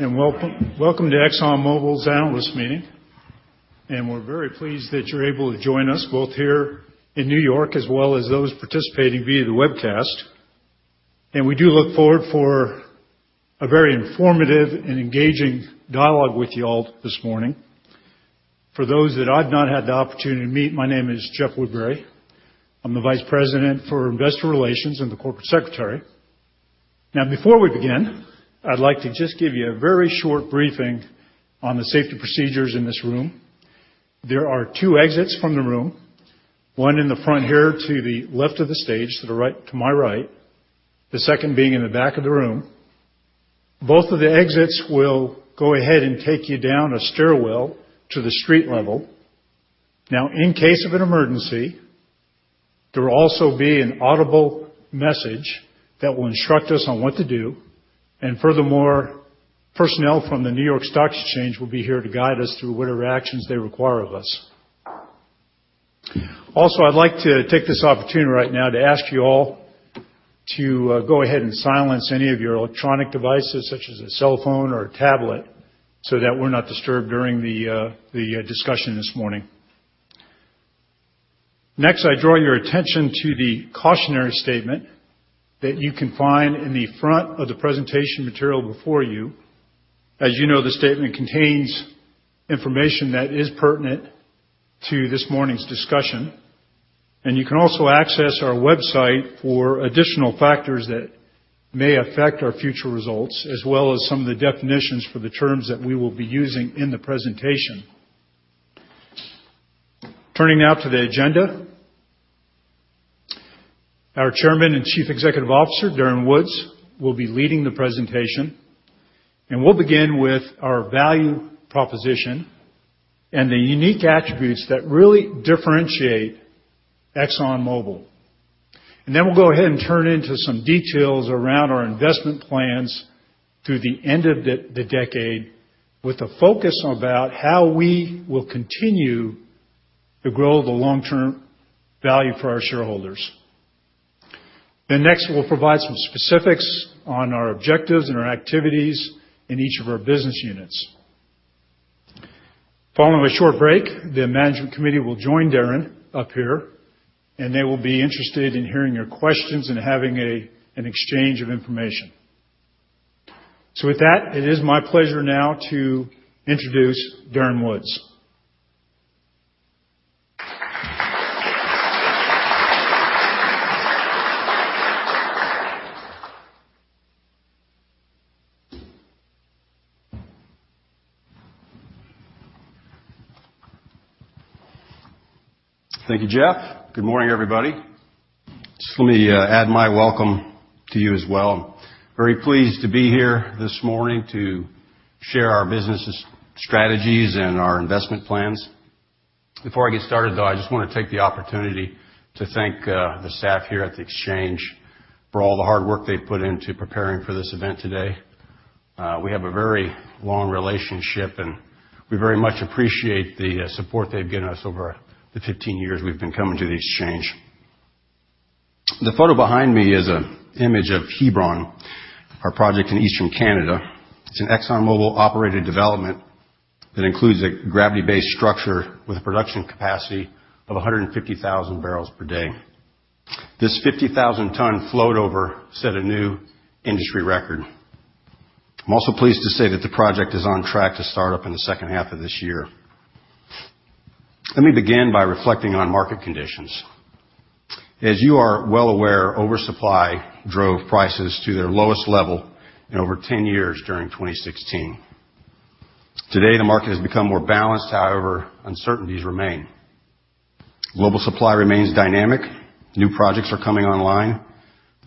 Welcome to ExxonMobil's Analyst Meeting, and we're very pleased that you're able to join us both here in New York, as well as those participating via the webcast. We do look forward for a very informative and engaging dialogue with you all this morning. For those that I've not had the opportunity to meet, my name is Jeff Woodbury. I'm the Vice President for Investor Relations and the Corporate Secretary. Before we begin, I'd like to just give you a very short briefing on the safety procedures in this room. There are two exits from the room, one in the front here to the left of the stage, to the right, to my right. The second being in the back of the room. Both of the exits will go ahead and take you down a stairwell to the street level. In case of an emergency, there will also be an audible message that will instruct us on what to do, and furthermore, personnel from the New York Stock Exchange will be here to guide us through whatever actions they require of us. I'd like to take this opportunity right now to ask you all to go ahead and silence any of your electronic devices such as a cellphone or a tablet so that we're not disturbed during the discussion this morning. I draw your attention to the cautionary statement that you can find in the front of the presentation material before you. As you know, the statement contains information that is pertinent to this morning's discussion, you can also access our website for additional factors that may affect our future results, as well as some of the definitions for the terms that we will be using in the presentation. Turning now to the agenda. Our Chairman and Chief Executive Officer, Darren Woods, will be leading the presentation, we'll begin with our value proposition and the unique attributes that really differentiate ExxonMobil. We'll go ahead and turn into some details around our investment plans through the end of the decade with a focus about how we will continue to grow the long-term value for our shareholders. We'll provide some specifics on our objectives and our activities in each of our business units. Following a short break, the management committee will join Darren up here, they will be interested in hearing your questions and having an exchange of information. With that, it is my pleasure now to introduce Darren Woods. Thank you, Jeff. Good morning, everybody. Just let me add my welcome to you as well. Very pleased to be here this morning to share our business' strategies and our investment plans. Before I get started, though, I just wanna take the opportunity to thank the staff here at the Exchange for all the hard work they've put into preparing for this event today. We have a very long relationship, and we very much appreciate the support they've given us over the 15 years we've been coming to the Exchange. The photo behind me is an image of Hebron, our project in eastern Canada. It's an ExxonMobil-operated development that includes a gravity-based structure with a production capacity of 150,000 barrels per day. This 50,000-ton float over set a new industry record. I'm also pleased to say that the project is on track to start up in the second half of this year. Let me begin by reflecting on market conditions. As you are well aware, oversupply drove prices to their lowest level in over 10 years during 2016. Today, the market has become more balanced. However, uncertainties remain. Global supply remains dynamic. New projects are coming online.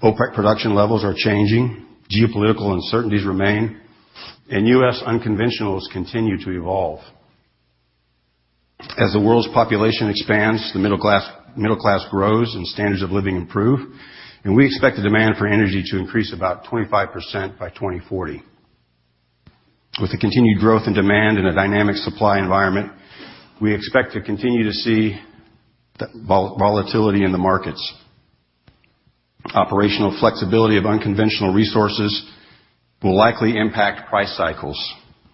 OPEC production levels are changing. Geopolitical uncertainties remain. U.S. unconventionals continue to evolve. As the world's population expands, the middle class grows, and standards of living improve, we expect the demand for energy to increase about 25% by 2040. With the continued growth in demand and a dynamic supply environment, we expect to continue to see volatility in the markets. Operational flexibility of unconventional resources will likely impact price cycles.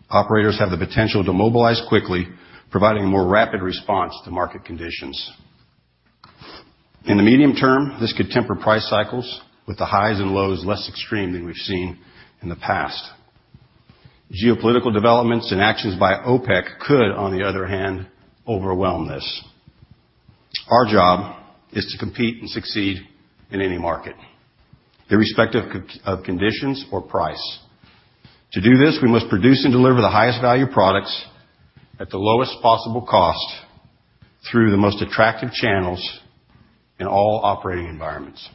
Operators have the potential to mobilize quickly, providing a more rapid response to market conditions. In the medium term, this could temper price cycles with the highs and lows less extreme than we've seen in the past. Geopolitical developments and actions by OPEC could, on the other hand, overwhelm this. Our job is to compete and succeed in any market, irrespective of conditions or price. To do this, we must produce and deliver the highest value products at the lowest possible cost through the most attractive channels in all operating environments.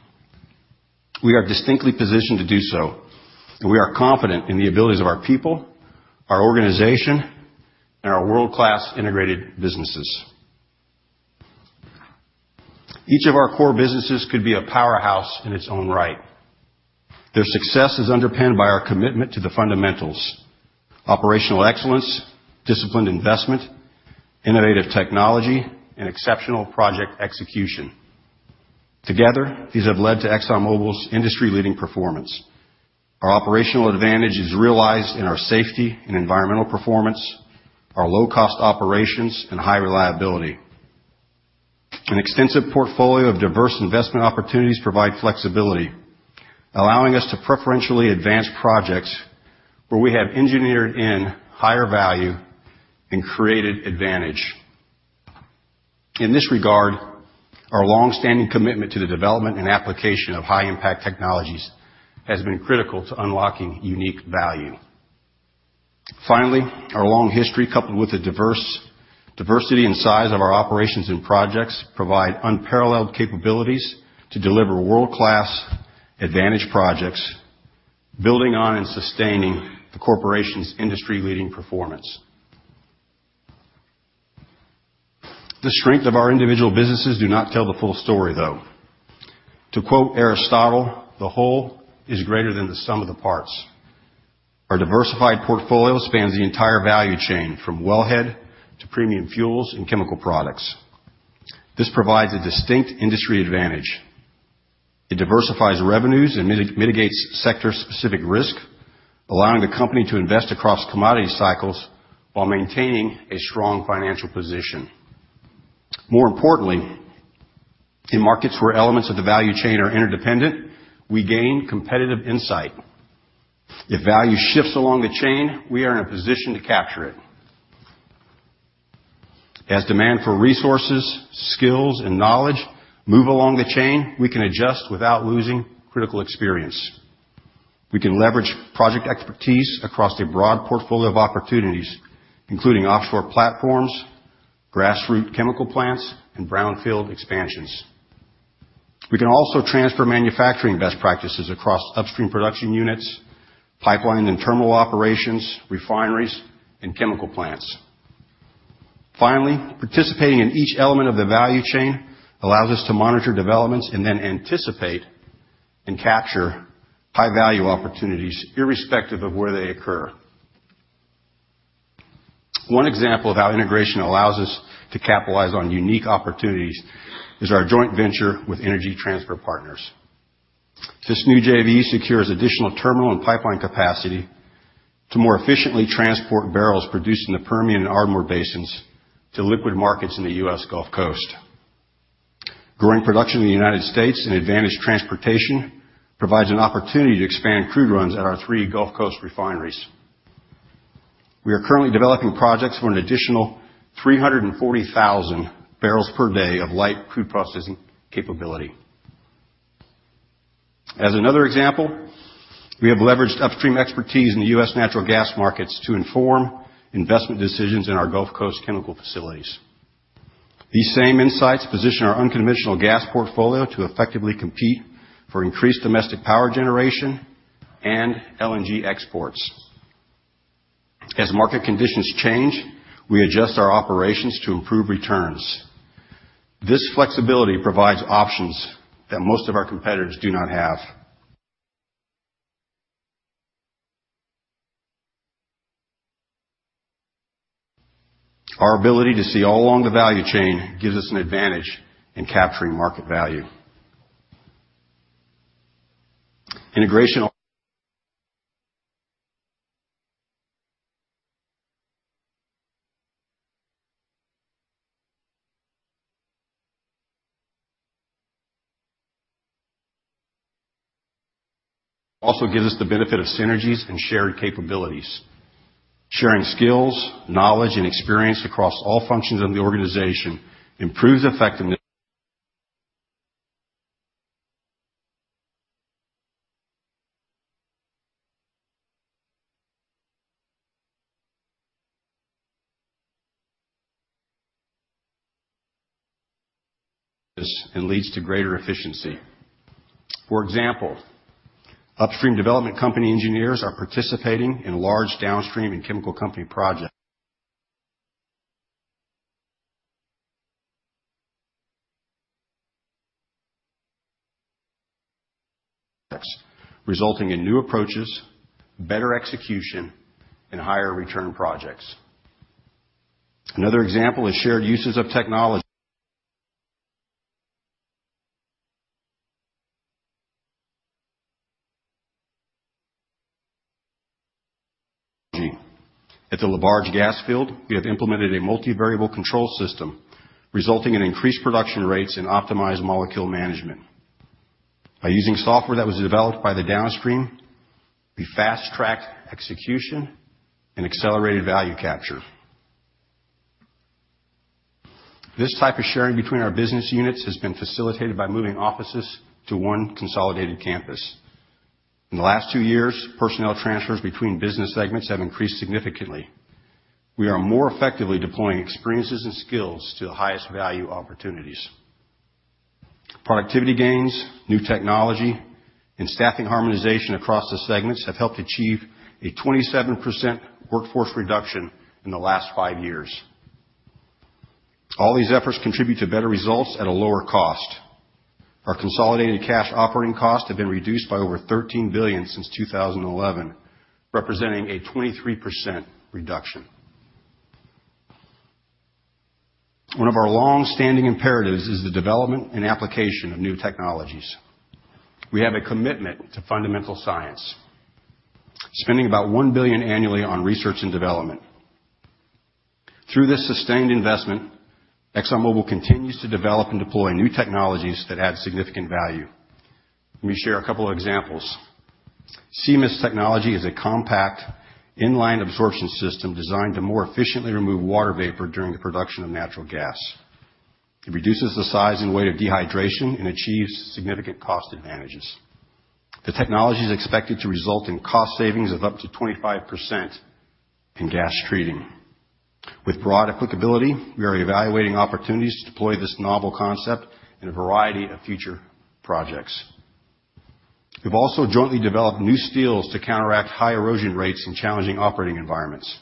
We are distinctly positioned to do so, and we are confident in the abilities of our people, our organization, and our world-class integrated businesses. Each of our core businesses could be a powerhouse in its own right. Their success is underpinned by our commitment to the fundamentals: operational excellence, disciplined investment, innovative technology and exceptional project execution. Together, these have led to Exxon Mobil's industry-leading performance. Our operational advantage is realized in our safety and environmental performance, our low-cost operations, and high reliability. An extensive portfolio of diverse investment opportunities provide flexibility, allowing us to preferentially advance projects where we have engineered in higher value and created advantage. In this regard, our longstanding commitment to the development and application of high-impact technologies has been critical to unlocking unique value. Finally, our long history, coupled with the diversity and size of our operations and projects, provide unparalleled capabilities to deliver world-class advantage projects, building on and sustaining the corporation's industry-leading performance. The strength of our individual businesses do not tell the full story, though. To quote Aristotle, "The whole is greater than the sum of the parts." Our diversified portfolio spans the entire value chain, from wellhead to premium fuels and chemical products. This provides a distinct industry advantage. It diversifies revenues and mitigates sector-specific risk, allowing the company to invest across commodity cycles while maintaining a strong financial position. More importantly, in markets where elements of the value chain are interdependent, we gain competitive insight. If value shifts along the chain, we are in a position to capture it. As demand for resources, skills, and knowledge move along the chain, we can adjust without losing critical experience. We can leverage project expertise across a broad portfolio of opportunities, including offshore platforms, grassroot chemical plants, and brownfield expansions. We can also transfer manufacturing best practices across upstream production units, pipeline and terminal operations, refineries, and chemical plants. Finally, participating in each element of the value chain allows us to monitor developments and then anticipate and capture high-value opportunities irrespective of where they occur. One example of how integration allows us to capitalize on unique opportunities is our joint venture with Energy Transfer Partners. This new JV secures additional terminal and pipeline capacity to more efficiently transport barrels produced in the Permian and Ardmore basins to liquid markets in the U.S. Gulf Coast. Growing production in the United States and advantage transportation provides an opportunity to expand crude runs at our three Gulf Coast refineries. We are currently developing projects for an additional 340,000 barrels per day of light crude processing capability. As another example, we have leveraged upstream expertise in the U.S. natural gas markets to inform investment decisions in our Gulf Coast chemical facilities. These same insights position our unconventional gas portfolio to effectively compete for increased domestic power generation and LNG exports. As market conditions change, we adjust our operations to improve returns. This flexibility provides options that most of our competitors do not have. Our ability to see all along the value chain gives us an advantage in capturing market value. Integration also gives us the benefit of synergies and shared capabilities. Sharing skills, knowledge, and experience across all functions of the organization improves effectiveness and leads to greater efficiency. For example, upstream development company engineers are participating in large downstream and chemical company projects, resulting in new approaches, better execution, and higher return projects. Another example is shared uses of technology. At the LaBarge gas field, we have implemented a multivariable control system resulting in increased production rates and optimized molecule management. By using software that was developed by the downstream, we fast-tracked execution and accelerated value capture. This type of sharing between our business units has been facilitated by moving offices to one consolidated campus. In the last two years, personnel transfers between business segments have increased significantly. We are more effectively deploying experiences and skills to the highest value opportunities. Productivity gains, new technology, and staffing harmonization across the segments have helped achieve a 27% workforce reduction in the last five years. All these efforts contribute to better results at a lower cost. Our consolidated cash operating costs have been reduced by over $13 billion since 2011, representing a 23% reduction. One of our longstanding imperatives is the development and application of new technologies. We have a commitment to fundamental science, spending about $1 billion annually on research and development. Through this sustained investment, ExxonMobil continues to develop and deploy new technologies that add significant value. Let me share a couple of examples. cMIST technology is a compact inline absorption system designed to more efficiently remove water vapor during the production of natural gas. It reduces the size and weight of dehydration and achieves significant cost advantages. The technology is expected to result in cost savings of up to 25% in gas treating. With broad applicability, we are evaluating opportunities to deploy this novel concept in a variety of future projects. We've also jointly developed new steels to counteract high erosion rates in challenging operating environments.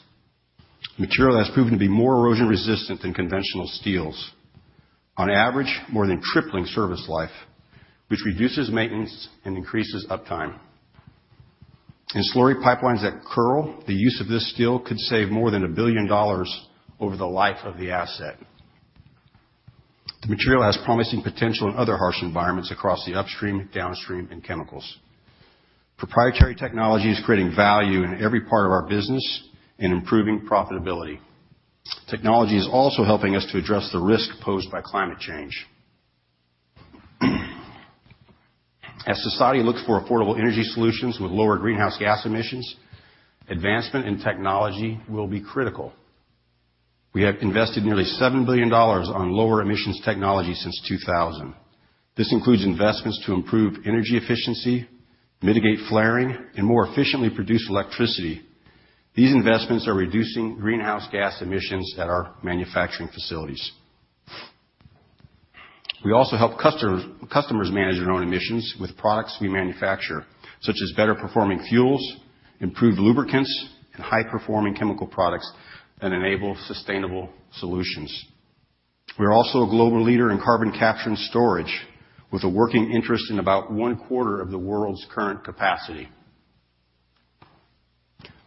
Material has proven to be more erosion-resistant than conventional steels, on average, more than tripling service life, which reduces maintenance and increases uptime. In slurry pipelines at Kearl, the use of this steel could save more than $1 billion over the life of the asset. The material has promising potential in other harsh environments across the upstream, downstream, and chemicals. Proprietary technology is creating value in every part of our business and improving profitability. Technology is also helping us to address the risk posed by climate change. As society looks for affordable energy solutions with lower greenhouse gas emissions, advancement in technology will be critical. We have invested nearly $7 billion on lower emissions technology since 2000. This includes investments to improve energy efficiency, mitigate flaring, and more efficiently produce electricity. These investments are reducing greenhouse gas emissions at our manufacturing facilities. We also help customers manage their own emissions with products we manufacture, such as better-performing fuels, improved lubricants, and high-performing chemical products that enable sustainable solutions. We're also a global leader in carbon capture and storage with a working interest in about one-quarter of the world's current capacity.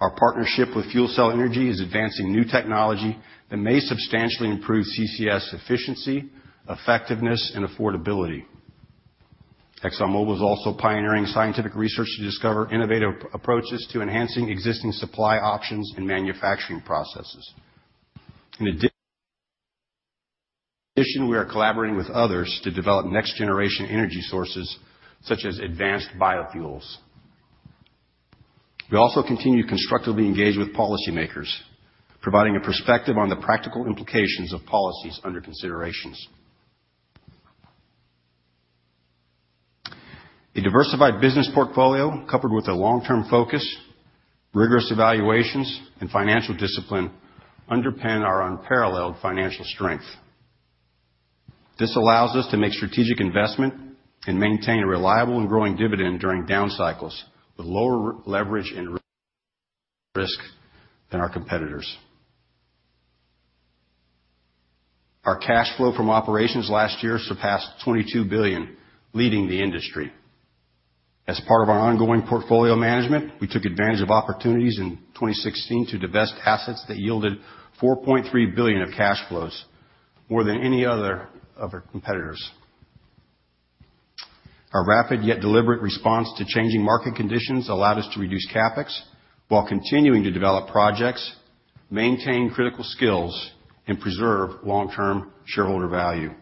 Our partnership with FuelCell Energy is advancing new technology that may substantially improve CCS efficiency, effectiveness, and affordability. ExxonMobil is also pioneering scientific research to discover innovative approaches to enhancing existing supply options and manufacturing processes. In addition, we are collaborating with others to develop next-generation energy sources such as advanced biofuels. We also continue to constructively engage with policymakers, providing a perspective on the practical implications of policies under considerations. A diversified business portfolio coupled with a long-term focus, rigorous evaluations, and financial discipline underpin our unparalleled financial strength. This allows us to make strategic investment and maintain a reliable and growing dividend during down cycles with lower leverage and risk than our competitors. Our cash flow from operations last year surpassed $22 billion, leading the industry. As part of our ongoing portfolio management, we took advantage of opportunities in 2016 to divest assets that yielded $4.3 billion of cash flows, more than any other of our competitors. Our rapid yet deliberate response to changing market conditions allowed us to reduce CapEx while continuing to develop projects, maintain critical skills, and preserve long-term shareholder value.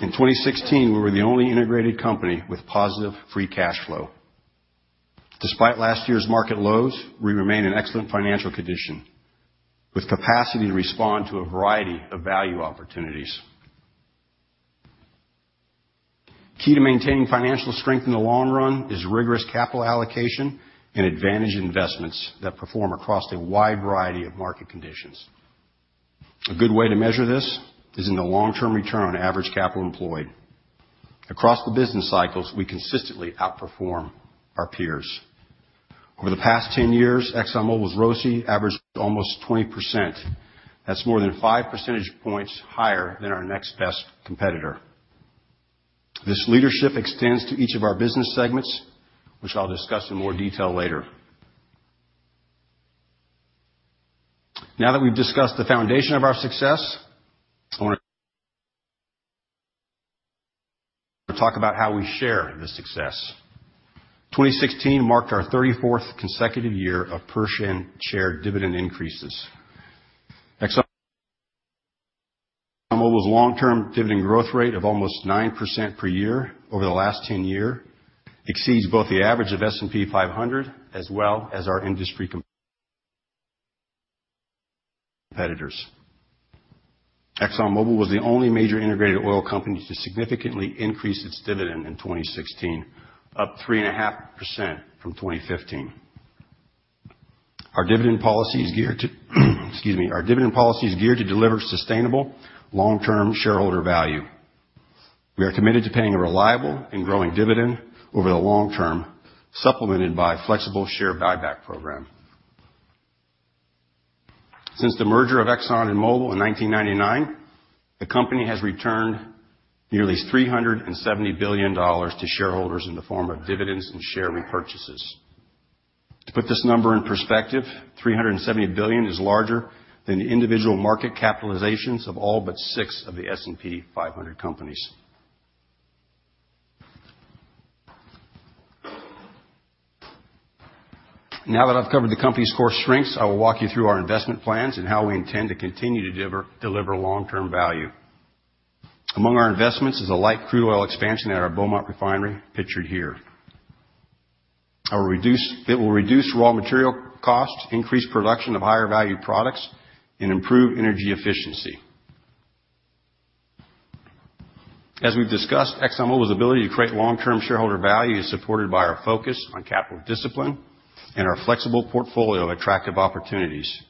In 2016, we were the only integrated company with positive free cash flow. Despite last year's market lows, we remain in excellent financial condition with capacity to respond to a variety of value opportunities. Key to maintaining financial strength in the long run is rigorous capital allocation and advantage investments that perform across a wide variety of market conditions. A good way to measure this is in the long-term return on average capital employed. Across the business cycles, we consistently outperform our peers. Over the past 10 years, ExxonMobil's ROCE averaged almost 20%. That's more than five percentage points higher than our next best competitor. This leadership extends to each of our business segments, which I'll discuss in more detail later. Now that we've discussed the foundation of our success, I want to talk about how we share the success. 2016 marked our 34th consecutive year of per-share dividend increases. ExxonMobil's long-term dividend growth rate of almost 9% per year over the last 10 year exceeds both the average of S&P 500 as well as our industry competitors. ExxonMobil was the only major integrated oil company to significantly increase its dividend in 2016, up 3.5% from 2015. Our dividend policy is geared to deliver sustainable long-term shareholder value. We are committed to paying a reliable and growing dividend over the long term, supplemented by a flexible share buyback program. Since the merger of Exxon and Mobil in 1999, the company has returned nearly $370 billion to shareholders in the form of dividends and share repurchases. To put this number in perspective, $370 billion is larger than the individual market capitalizations of all but six of the S&P 500 companies. Now that I've covered the company's core strengths, I will walk you through our investment plans and how we intend to continue to deliver long-term value. Among our investments is a light crude oil expansion at our Beaumont refinery, pictured here. It will reduce raw material costs, increase production of higher-value products, and improve energy efficiency. As we've discussed, ExxonMobil's ability to create long-term shareholder value is supported by our focus on capital discipline and our flexible portfolio of attractive opportunities.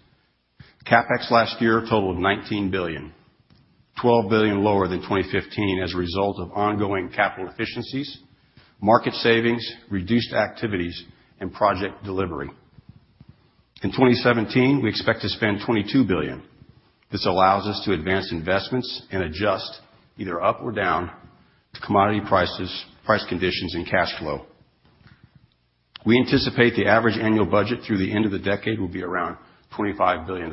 CapEx last year totaled $19 billion, $12 billion lower than 2015 as a result of ongoing capital efficiencies, market savings, reduced activities, and project delivery. In 2017, we expect to spend $22 billion. This allows us to advance investments and adjust, either up or down, to commodity prices, price conditions, and cash flow. We anticipate the average annual budget through the end of the decade will be around $25 billion.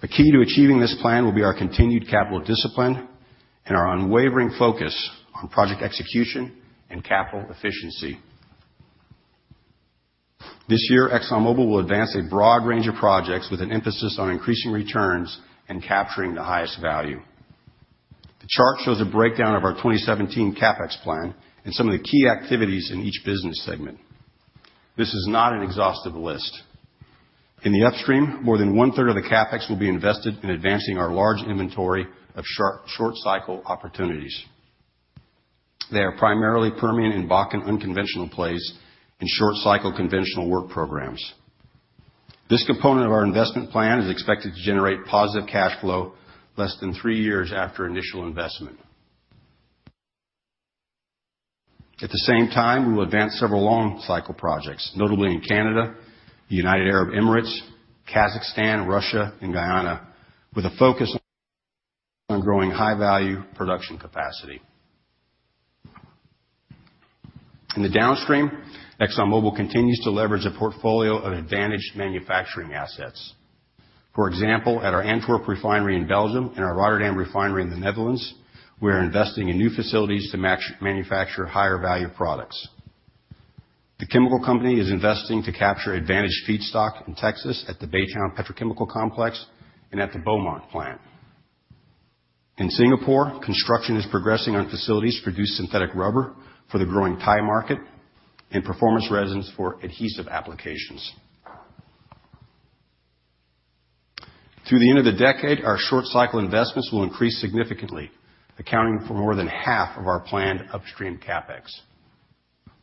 The key to achieving this plan will be our continued capital discipline and our unwavering focus on project execution and capital efficiency. This year, ExxonMobil will advance a broad range of projects with an emphasis on increasing returns and capturing the highest value. The chart shows a breakdown of our 2017 CapEx plan and some of the key activities in each business segment. This is not an exhaustive list. In the upstream, more than one-third of the CapEx will be invested in advancing our large inventory of short cycle opportunities. They are primarily Permian and Bakken unconventional plays and short cycle conventional work programs. This component of our investment plan is expected to generate positive cash flow less than three years after initial investment. At the same time, we will advance several long cycle projects, notably in Canada, United Arab Emirates, Kazakhstan, Russia, and Guyana, with a focus on growing high-value production capacity. In the downstream, ExxonMobil continues to leverage a portfolio of advantaged manufacturing assets. For example, at our Antwerp refinery in Belgium and our Rotterdam refinery in the Netherlands, we are investing in new facilities to manufacture higher-value products. The chemical company is investing to capture advantaged feedstock in Texas at the Baytown Petrochemical Complex and at the Beaumont plant. In Singapore, construction is progressing on facilities to produce synthetic rubber for the growing tire market and performance resins for adhesive applications. Through the end of the decade, our short cycle investments will increase significantly, accounting for more than half of our planned upstream CapEx.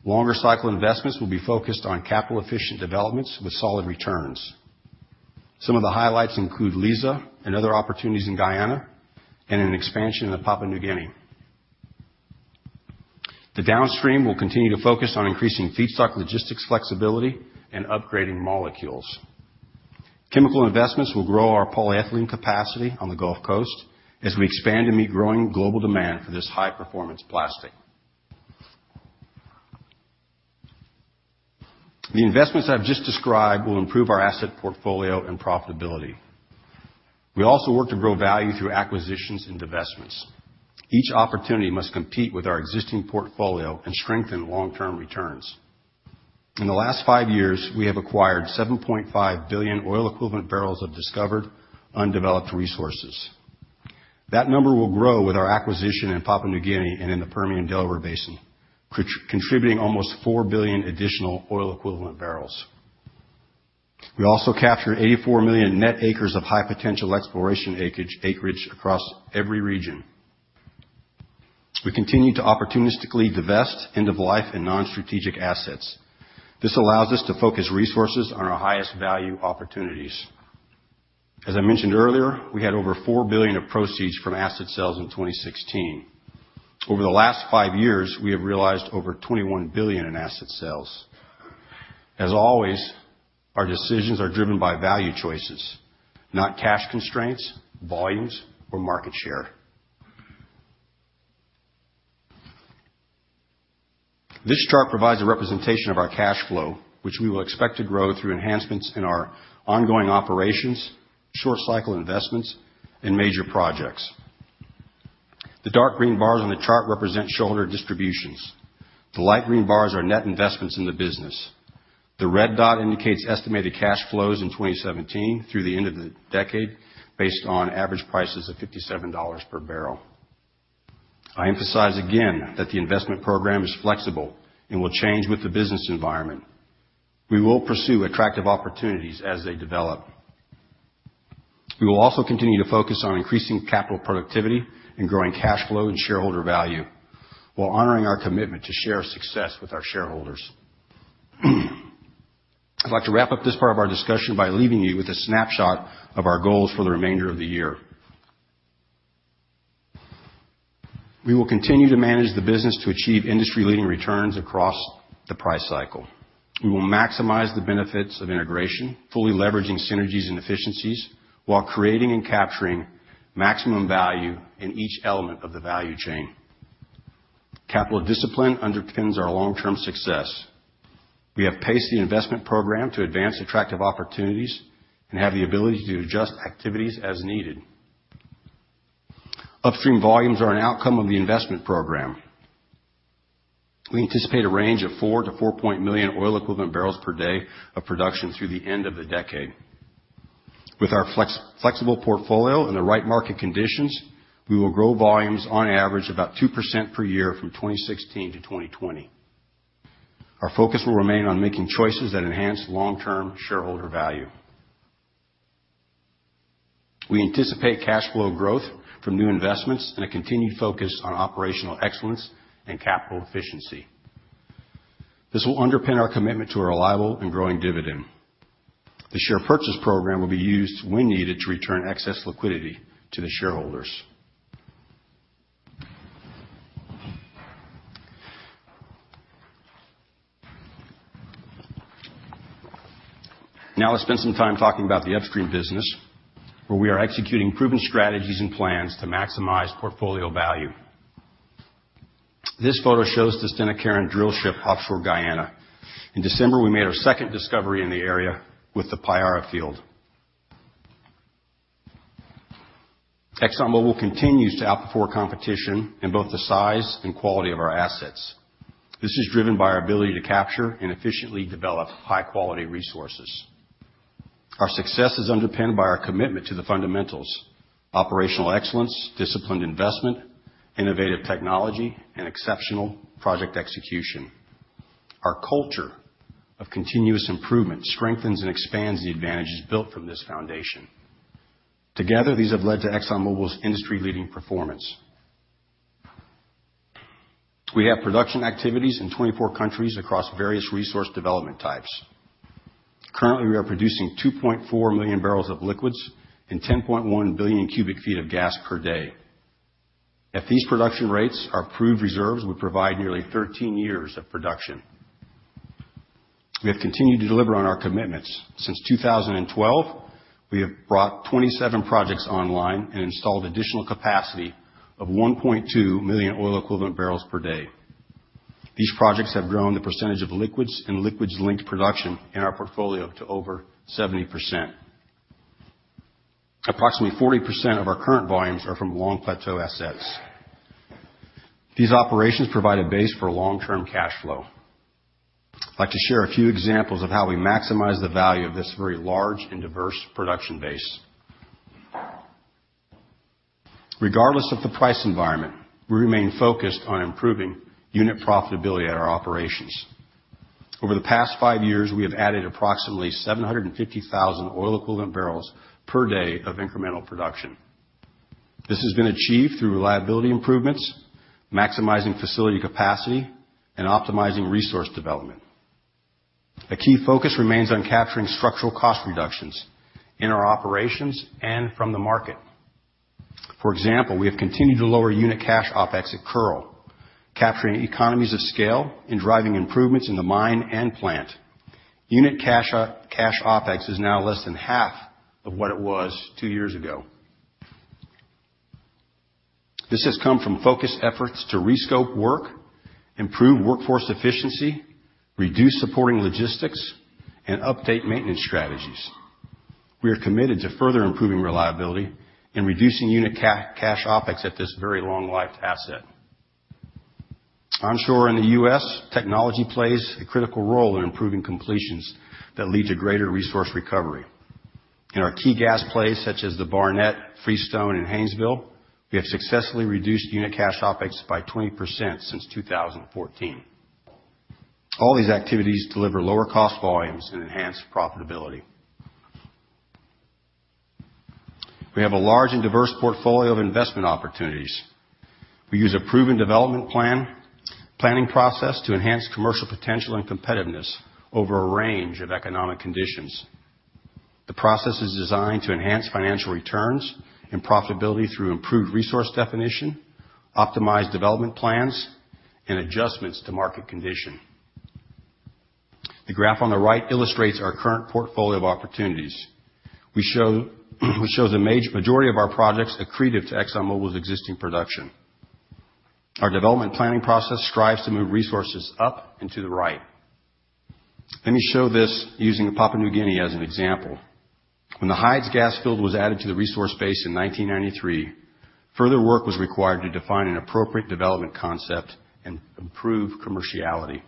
Longer cycle investments will be focused on capital-efficient developments with solid returns. Some of the highlights include Liza and other opportunities in Guyana and an expansion in Papua New Guinea. The downstream will continue to focus on increasing feedstock logistics flexibility and upgrading molecules. Chemical investments will grow our polyethylene capacity on the Gulf Coast as we expand to meet growing global demand for this high-performance plastic. The investments I've just described will improve our asset portfolio and profitability. We also work to grow value through acquisitions and divestments. Each opportunity must compete with our existing portfolio and strengthen long-term returns. In the last five years, we have acquired 7.5 billion oil equivalent barrels of discovered, undeveloped resources. That number will grow with our acquisition in Papua New Guinea and in the Permian Delaware Basin, contributing almost 4 billion additional oil equivalent barrels. We also captured 84 million net acres of high potential exploration acreage across every region. We continue to opportunistically divest end-of-life and non-strategic assets. This allows us to focus resources on our highest value opportunities. As I mentioned earlier, we had over $4 billion of proceeds from asset sales in 2016. Over the last five years, we have realized over $21 billion in asset sales. As always, our decisions are driven by value choices, not cash constraints, volumes, or market share. This chart provides a representation of our cash flow, which we will expect to grow through enhancements in our ongoing operations, short cycle investments, and major projects. The dark green bars on the chart represent shareholder distributions. The light green bars are net investments in the business. The red dot indicates estimated cash flows in 2017 through the end of the decade based on average prices of $57 per barrel. I emphasize again that the investment program is flexible and will change with the business environment. We will pursue attractive opportunities as they develop. We will also continue to focus on increasing capital productivity and growing cash flow and shareholder value while honoring our commitment to share success with our shareholders. I'd like to wrap up this part of our discussion by leaving you with a snapshot of our goals for the remainder of the year. We will continue to manage the business to achieve industry-leading returns across the price cycle. We will maximize the benefits of integration, fully leveraging synergies and efficiencies, while creating and capturing maximum value in each element of the value chain. Capital discipline underpins our long-term success. We have paced the investment program to advance attractive opportunities and have the ability to adjust activities as needed. Upstream volumes are an outcome of the investment program. We anticipate a range of four to four point million oil equivalent barrels per day of production through the end of the decade. With our flexible portfolio and the right market conditions, we will grow volumes on average about 2% per year from 2016 to 2020. Our focus will remain on making choices that enhance long-term shareholder value. We anticipate cash flow growth from new investments and a continued focus on operational excellence and capital efficiency. This will underpin our commitment to a reliable and growing dividend. The share purchase program will be used when needed to return excess liquidity to the shareholders. Now let's spend some time talking about the upstream business, where we are executing proven strategies and plans to maximize portfolio value. This photo shows the Stena Carron drillship offshore Guyana. In December, we made our second discovery in the area with the Payara field. Exxon Mobil continues to outperform competition in both the size and quality of our assets. This is driven by our ability to capture and efficiently develop high-quality resources. Our success is underpinned by our commitment to the fundamentals: operational excellence, disciplined investment, innovative technology, and exceptional project execution. Our culture of continuous improvement strengthens and expands the advantages built from this foundation. Together, these have led to Exxon Mobil's industry-leading performance. We have production activities in 24 countries across various resource development types. Currently, we are producing 2.4 million barrels of liquids and 10.1 billion cubic feet of gas per day. At these production rates, our proved reserves would provide nearly 13 years of production. We have continued to deliver on our commitments. Since 2012, we have brought 27 projects online and installed additional capacity of 1.2 million oil equivalent barrels per day. These projects have grown the percentage of liquids and liquids-linked production in our portfolio to over 70%. Approximately 40% of our current volumes are from long plateau assets. These operations provide a base for long-term cash flow. I'd like to share a few examples of how we maximize the value of this very large and diverse production base. Regardless of the price environment, we remain focused on improving unit profitability at our operations. Over the past five years, we have added approximately 750,000 oil equivalent barrels per day of incremental production. This has been achieved through reliability improvements, maximizing facility capacity, and optimizing resource development. A key focus remains on capturing structural cost reductions in our operations and from the market. For example, we have continued to lower unit cash OpEx at Kearl, capturing economies of scale and driving improvements in the mine and plant. Unit cash OpEx is now less than half of what it was two years ago. This has come from focused efforts to rescope work, improve workforce efficiency, reduce supporting logistics, and update maintenance strategies. We are committed to further improving reliability and reducing unit cash OpEx at this very long-lived asset. Onshore in the U.S., technology plays a critical role in improving completions that lead to greater resource recovery. In our key gas plays such as the Barnett, Freestone, and Haynesville, we have successfully reduced unit cash OpEx by 20% since 2014. All these activities deliver lower cost volumes and enhance profitability. We have a large and diverse portfolio of investment opportunities. We use a proven development planning process to enhance commercial potential and competitiveness over a range of economic conditions. The process is designed to enhance financial returns and profitability through improved resource definition, optimized development plans, and adjustments to market condition. The graph on the right illustrates our current portfolio of opportunities, which shows the majority of our projects accretive to Exxon Mobil's existing production. Our development planning process strives to move resources up and to the right. Let me show this using Papua New Guinea as an example. When the Hides gas field was added to the resource base in 1993, further work was required to define an appropriate development concept and improve commerciality.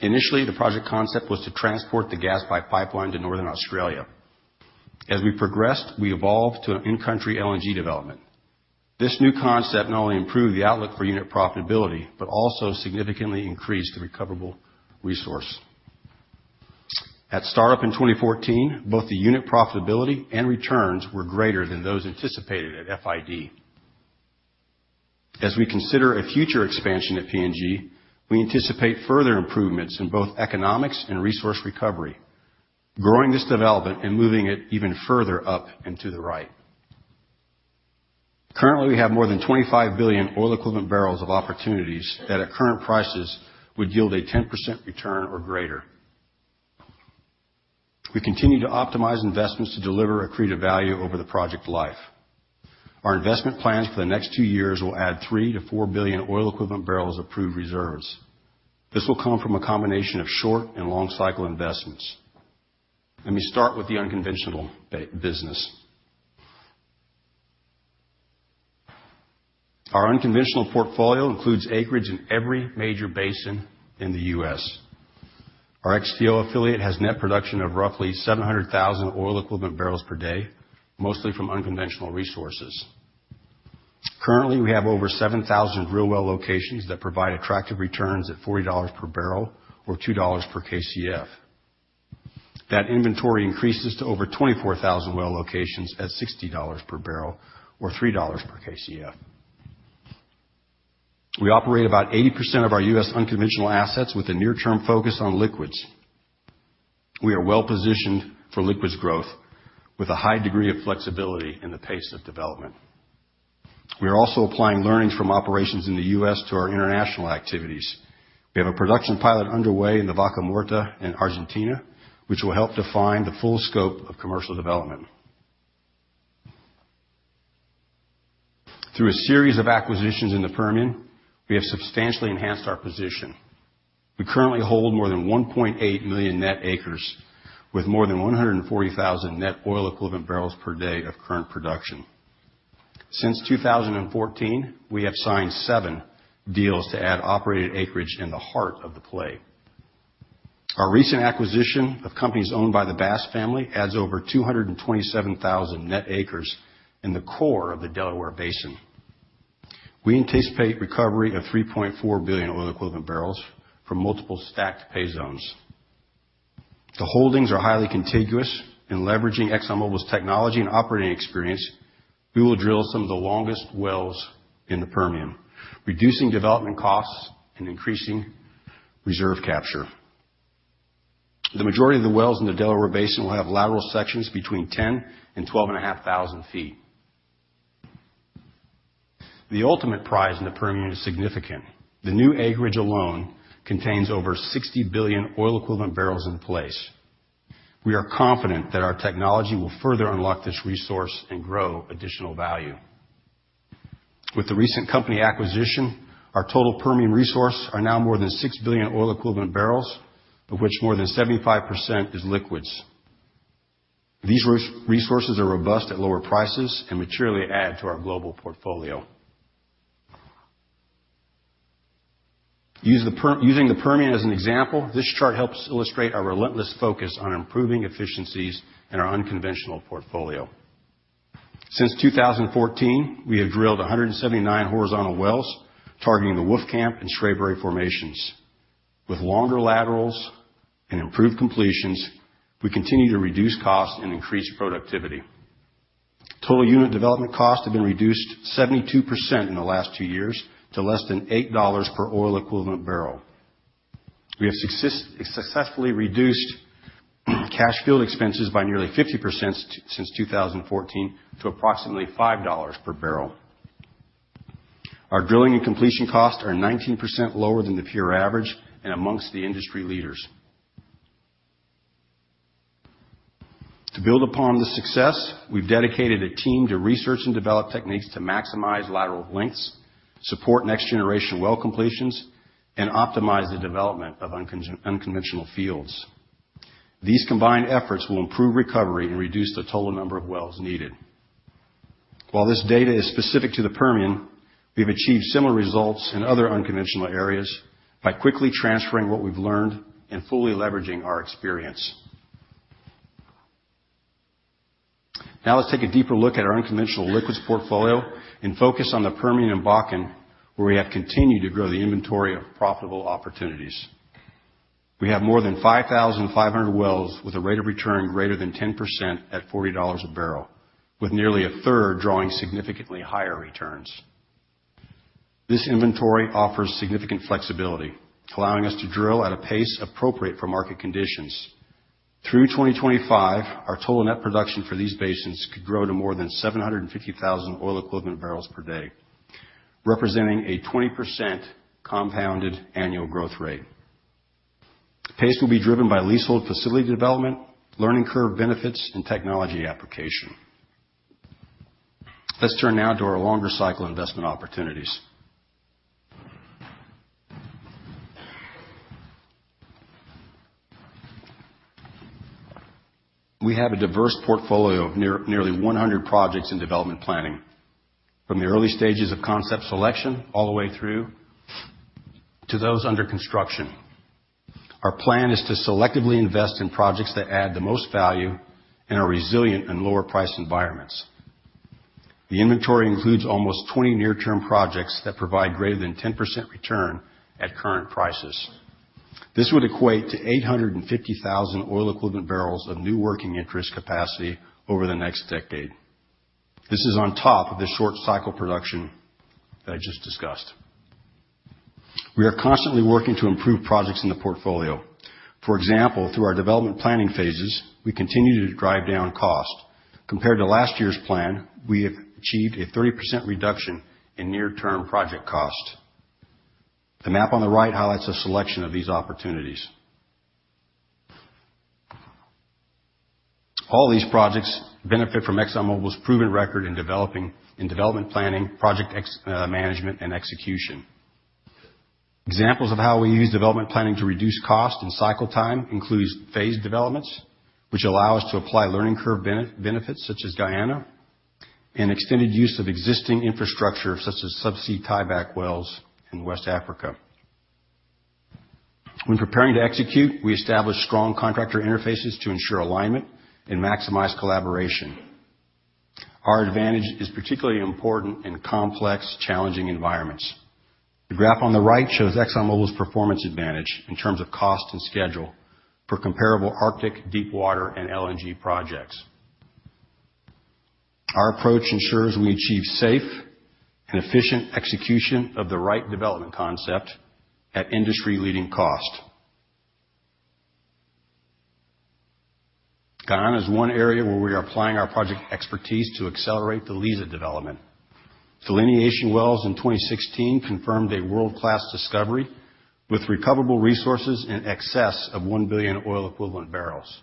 Initially, the project concept was to transport the gas by pipeline to Northern Australia. As we progressed, we evolved to an in-country LNG development. This new concept not only improved the outlook for unit profitability but also significantly increased the recoverable resource. At startup in 2014, both the unit profitability and returns were greater than those anticipated at FID. As we consider a future expansion at PNG, we anticipate further improvements in both economics and resource recovery, growing this development and moving it even further up and to the right. Currently, we have more than 25 billion oil equivalent barrels of opportunities that at current prices would yield a 10% return or greater. We continue to optimize investments to deliver accretive value over the project life. Our investment plans for the next two years will add 3-4 billion oil equivalent barrels of proved reserves. This will come from a combination of short and long-cycle investments. Let me start with the unconventional business. Our unconventional portfolio includes acreage in every major basin in the U.S. Our XTO affiliate has net production of roughly 700,000 oil equivalent barrels per day, mostly from unconventional resources. Currently, we have over 7,000 drill well locations that provide attractive returns at $40 per barrel or $2 per KCF. That inventory increases to over 24,000 well locations at $60 per barrel or $3 per KCF. We operate about 80% of our U.S. unconventional assets with a near-term focus on liquids. We are well-positioned for liquids growth with a high degree of flexibility in the pace of development. We are also applying learnings from operations in the U.S. to our international activities. We have a production pilot underway in the Vaca Muerta in Argentina, which will help define the full scope of commercial development. Through a series of acquisitions in the Permian, we have substantially enhanced our position. We currently hold more than 1.8 million net acres with more than 140,000 net oil equivalent barrels per day of current production. Since 2014, we have signed seven deals to add operated acreage in the heart of the play. Our recent acquisition of companies owned by the Bass family adds over 227,000 net acres in the core of the Delaware Basin. We anticipate recovery of 3.4 billion oil equivalent barrels from multiple stacked pay zones. Leveraging Exxon Mobil's technology and operating experience, we will drill some of the longest wells in the Permian, reducing development costs and increasing reserve capture. The majority of the wells in the Delaware Basin will have lateral sections between 10,000 and 12,500 feet. The ultimate prize in the Permian is significant. The new acreage alone contains over 60 billion oil-equivalent barrels in place. We are confident that our technology will further unlock this resource and grow additional value. With the recent company acquisition, our total Permian resource are now more than 6 billion oil equivalent barrels, of which more than 75% is liquids. These resources are robust at lower prices. Maturely add to our global portfolio. Using the Permian as an example, this chart helps illustrate our relentless focus on improving efficiencies in our unconventional portfolio. Since 2014, we have drilled 179 horizontal wells targeting the Wolfcamp and Spraberry formations. With longer laterals and improved completions, we continue to reduce costs and increase productivity. Total unit development costs have been reduced 72% in the last two years to less than $8 per oil equivalent barrel. We have successfully reduced cash field expenses by nearly 50% since 2014 to approximately $5 per barrel. Our drilling and completion costs are 19% lower than the peer average and amongst the industry leaders. To build upon this success, we've dedicated a team to research and develop techniques to maximize lateral lengths, support next-generation well completions, and optimize the development of unconventional fields. These combined efforts will improve recovery and reduce the total number of wells needed. While this data is specific to the Permian, we've achieved similar results in other unconventional areas by quickly transferring what we've learned and fully leveraging our experience. Let's take a deeper look at our unconventional liquids portfolio and focus on the Permian and Bakken, where we have continued to grow the inventory of profitable opportunities. We have more than 5,500 wells with a rate of return greater than 10% at $40 a barrel, with nearly a third drawing significantly higher returns. This inventory offers significant flexibility, allowing us to drill at a pace appropriate for market conditions. Through 2025, our total net production for these basins could grow to more than 750,000 oil equivalent barrels per day, representing a 20% compounded annual growth rate. Pace will be driven by leasehold facility development, learning curve benefits, and technology application. Let's turn now to our longer cycle investment opportunities. We have a diverse portfolio of nearly 100 projects in development planning, from the early stages of concept selection all the way through to those under construction. Our plan is to selectively invest in projects that add the most value and are resilient in lower price environments. The inventory includes almost 20 near-term projects that provide greater than 10% return at current prices. This would equate to 850,000 oil equivalent barrels of new working interest capacity over the next decade. This is on top of the short cycle production that I just discussed. We are constantly working to improve projects in the portfolio. For example, through our development planning phases, we continue to drive down cost. Compared to last year's plan, we have achieved a 30% reduction in near term project cost. The map on the right highlights a selection of these opportunities. All these projects benefit from Exxon Mobil's proven record in development planning, project management, and execution. Examples of how we use development planning to reduce cost and cycle time includes phased developments, which allow us to apply learning curve benefits such as Guyana, and extended use of existing infrastructure, such as subsea tieback wells in West Africa. When preparing to execute, we establish strong contractor interfaces to ensure alignment and maximize collaboration. Our advantage is particularly important in complex, challenging environments. The graph on the right shows Exxon Mobil's performance advantage in terms of cost and schedule for comparable Arctic deepwater and LNG projects. Our approach ensures we achieve safe and efficient execution of the right development concept at industry-leading cost. Guyana is one area where we are applying our project expertise to accelerate the Liza development. Delineation wells in 2016 confirmed a world-class discovery with recoverable resources in excess of 1 billion oil equivalent barrels.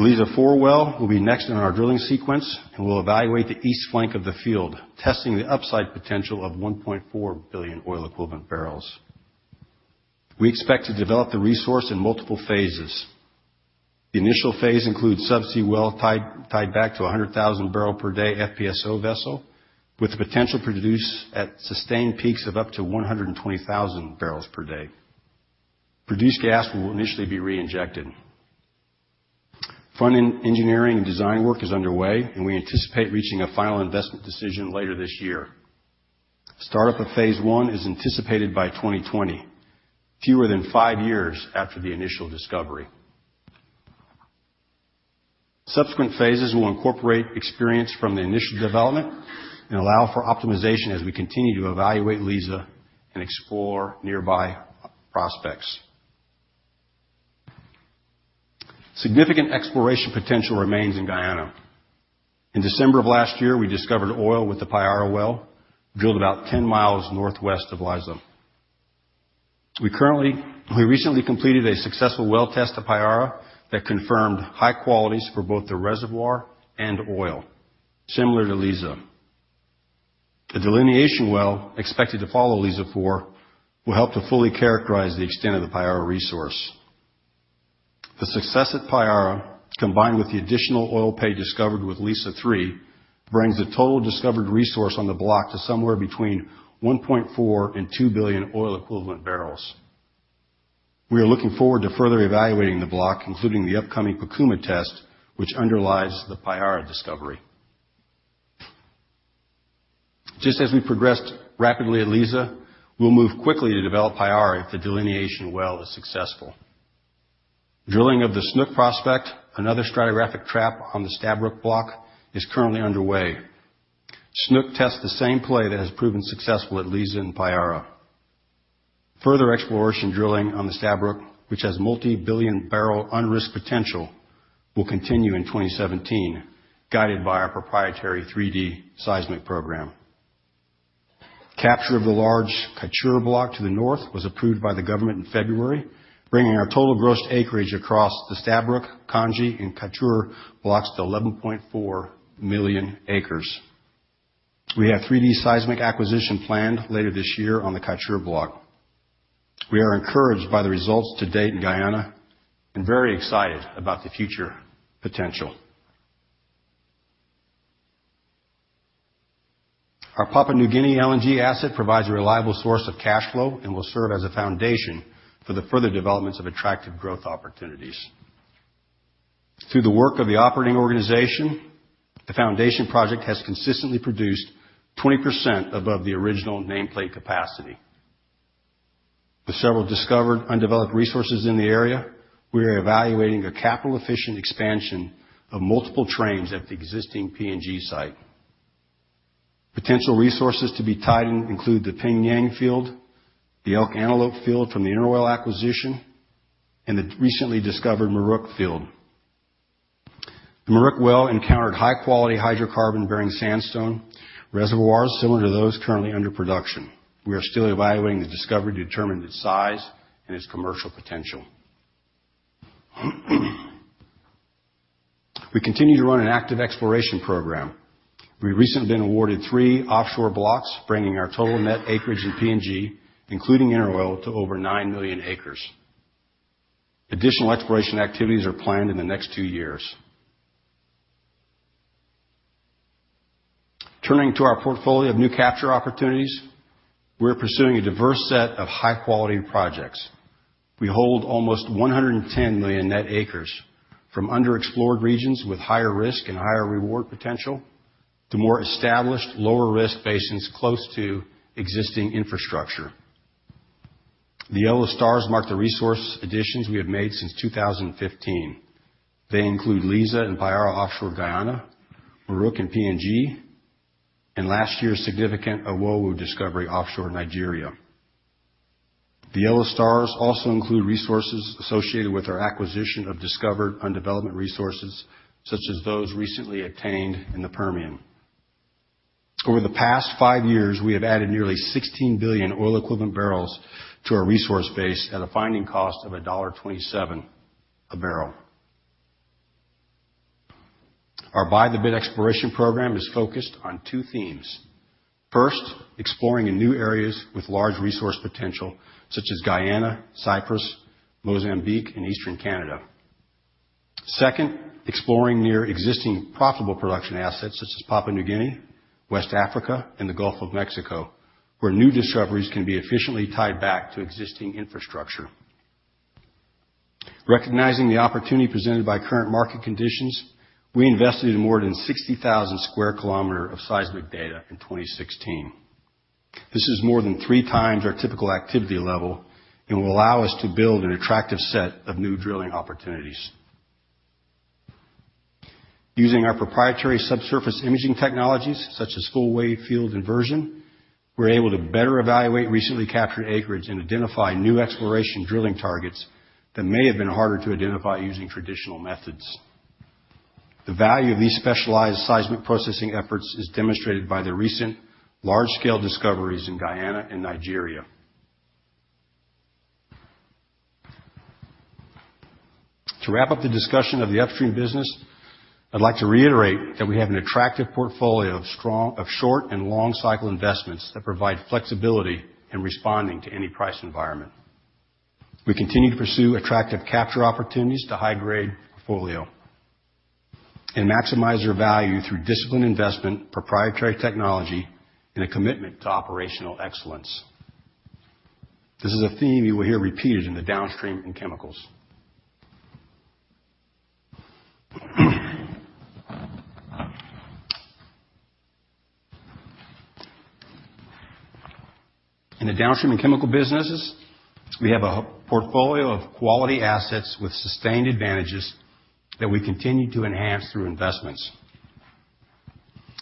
The Liza-4 well will be next in our drilling sequence and will evaluate the east flank of the field, testing the upside potential of 1.4 billion oil equivalent barrels. We expect to develop the resource in multiple phases. The initial phase includes subsea well tied back to 100,000 barrel per day FPSO vessel, with the potential to produce at sustained peaks of up to 120,000 barrels per day. Produced gas will initially be reinjected. Front-end engineering and design work is underway. We anticipate reaching a final investment decision later this year. Startup of phase one is anticipated by 2020, fewer than five years after the initial discovery. Subsequent phases will incorporate experience from the initial development and allow for optimization as we continue to evaluate Liza and explore nearby prospects. Significant exploration potential remains in Guyana. In December of last year, we discovered oil with the Payara well, drilled about 10 miles northwest of Liza. We recently completed a successful well test at Payara that confirmed high qualities for both the reservoir and oil, similar to Liza. The delineation well expected to follow Liza-4 will help to fully characterize the extent of the Payara resource. The success at Payara, combined with the additional oil pay discovered with Liza-3, brings the total discovered resource on the block to somewhere between 1.4 and 2 billion oil equivalent barrels. We are looking forward to further evaluating the block, including the upcoming Pacora test, which underlies the Payara discovery. Just as we progressed rapidly at Liza, we'll move quickly to develop Payara if the delineation well is successful. Drilling of the Snoek prospect, another stratigraphic trap on the Stabroek Block, is currently underway. Snoek tests the same play that has proven successful at Liza and Payara. Further exploration drilling on the Stabroek, which has multi-billion barrel unrisked potential, will continue in 2017, guided by our proprietary 3D seismic program. Capture of the large Kaieteur block to the north was approved by the government in February, bringing our total gross acreage across the Stabroek, Canje, and Kaieteur blocks to 11.4 million acres. We have 3D seismic acquisition planned later this year on the Kaieteur block. We are encouraged by the results to date in Guyana and very excited about the future potential. Our Papua New Guinea LNG asset provides a reliable source of cash flow and will serve as a foundation for the further developments of attractive growth opportunities. Through the work of the operating organization, the foundation project has consistently produced 20% above the original nameplate capacity. With several discovered undeveloped resources in the area, we are evaluating a capital-efficient expansion of multiple trains at the existing PNG site. Potential resources to be tied include the PNG field, the Elk Antelope field from the InterOil acquisition, and the recently discovered Muruk field. The Muruk well encountered high-quality hydrocarbon-bearing sandstone reservoirs similar to those currently under production. We are still evaluating the discovery to determine its size and its commercial potential. We continue to run an active exploration program. We've recently been awarded three offshore blocks, bringing our total net acreage in PNG, including InterOil, to over 9 million acres. Additional exploration activities are planned in the next two years. Turning to our portfolio of new capture opportunities, we're pursuing a diverse set of high-quality projects. We hold almost 110 million net acres from underexplored regions with higher risk and higher reward potential, the more established lower-risk basins close to existing infrastructure. The yellow stars mark the resource additions we have made since 2015. They include Liza and Payara offshore Guyana, Muruk in PNG, and last year's significant Owowo discovery offshore Nigeria. The yellow stars also include resources associated with our acquisition of discovered undeveloped resources, such as those recently attained in the Permian. Over the past five years, we have added nearly 16 billion oil equivalent barrels to our resource base at a finding cost of $1.27 a barrel. Our by-the-bid exploration program is focused on two themes. First, exploring in new areas with large resource potential, such as Guyana, Cyprus, Mozambique, and Eastern Canada. Second, exploring near existing profitable production assets such as Papua New Guinea, West Africa, and the Gulf of Mexico, where new discoveries can be efficiently tied back to existing infrastructure. Recognizing the opportunity presented by current market conditions, we invested in more than 60,000 square kilometers of seismic data in 2016. This is more than three times our typical activity level and will allow us to build an attractive set of new drilling opportunities. Using our proprietary subsurface imaging technologies, such as full wavefield inversion, we're able to better evaluate recently captured acreage and identify new exploration drilling targets that may have been harder to identify using traditional methods. The value of these specialized seismic processing efforts is demonstrated by the recent large-scale discoveries in Guyana and Nigeria. To wrap up the discussion of the upstream business, I'd like to reiterate that we have an attractive portfolio of short and long cycle investments that provide flexibility in responding to any price environment. We continue to pursue attractive capture opportunities to high-grade portfolio and maximize their value through disciplined investment, proprietary technology, and a commitment to operational excellence. This is a theme you will hear repeated in the downstream and chemicals. In the downstream and chemical businesses, we have a portfolio of quality assets with sustained advantages that we continue to enhance through investments.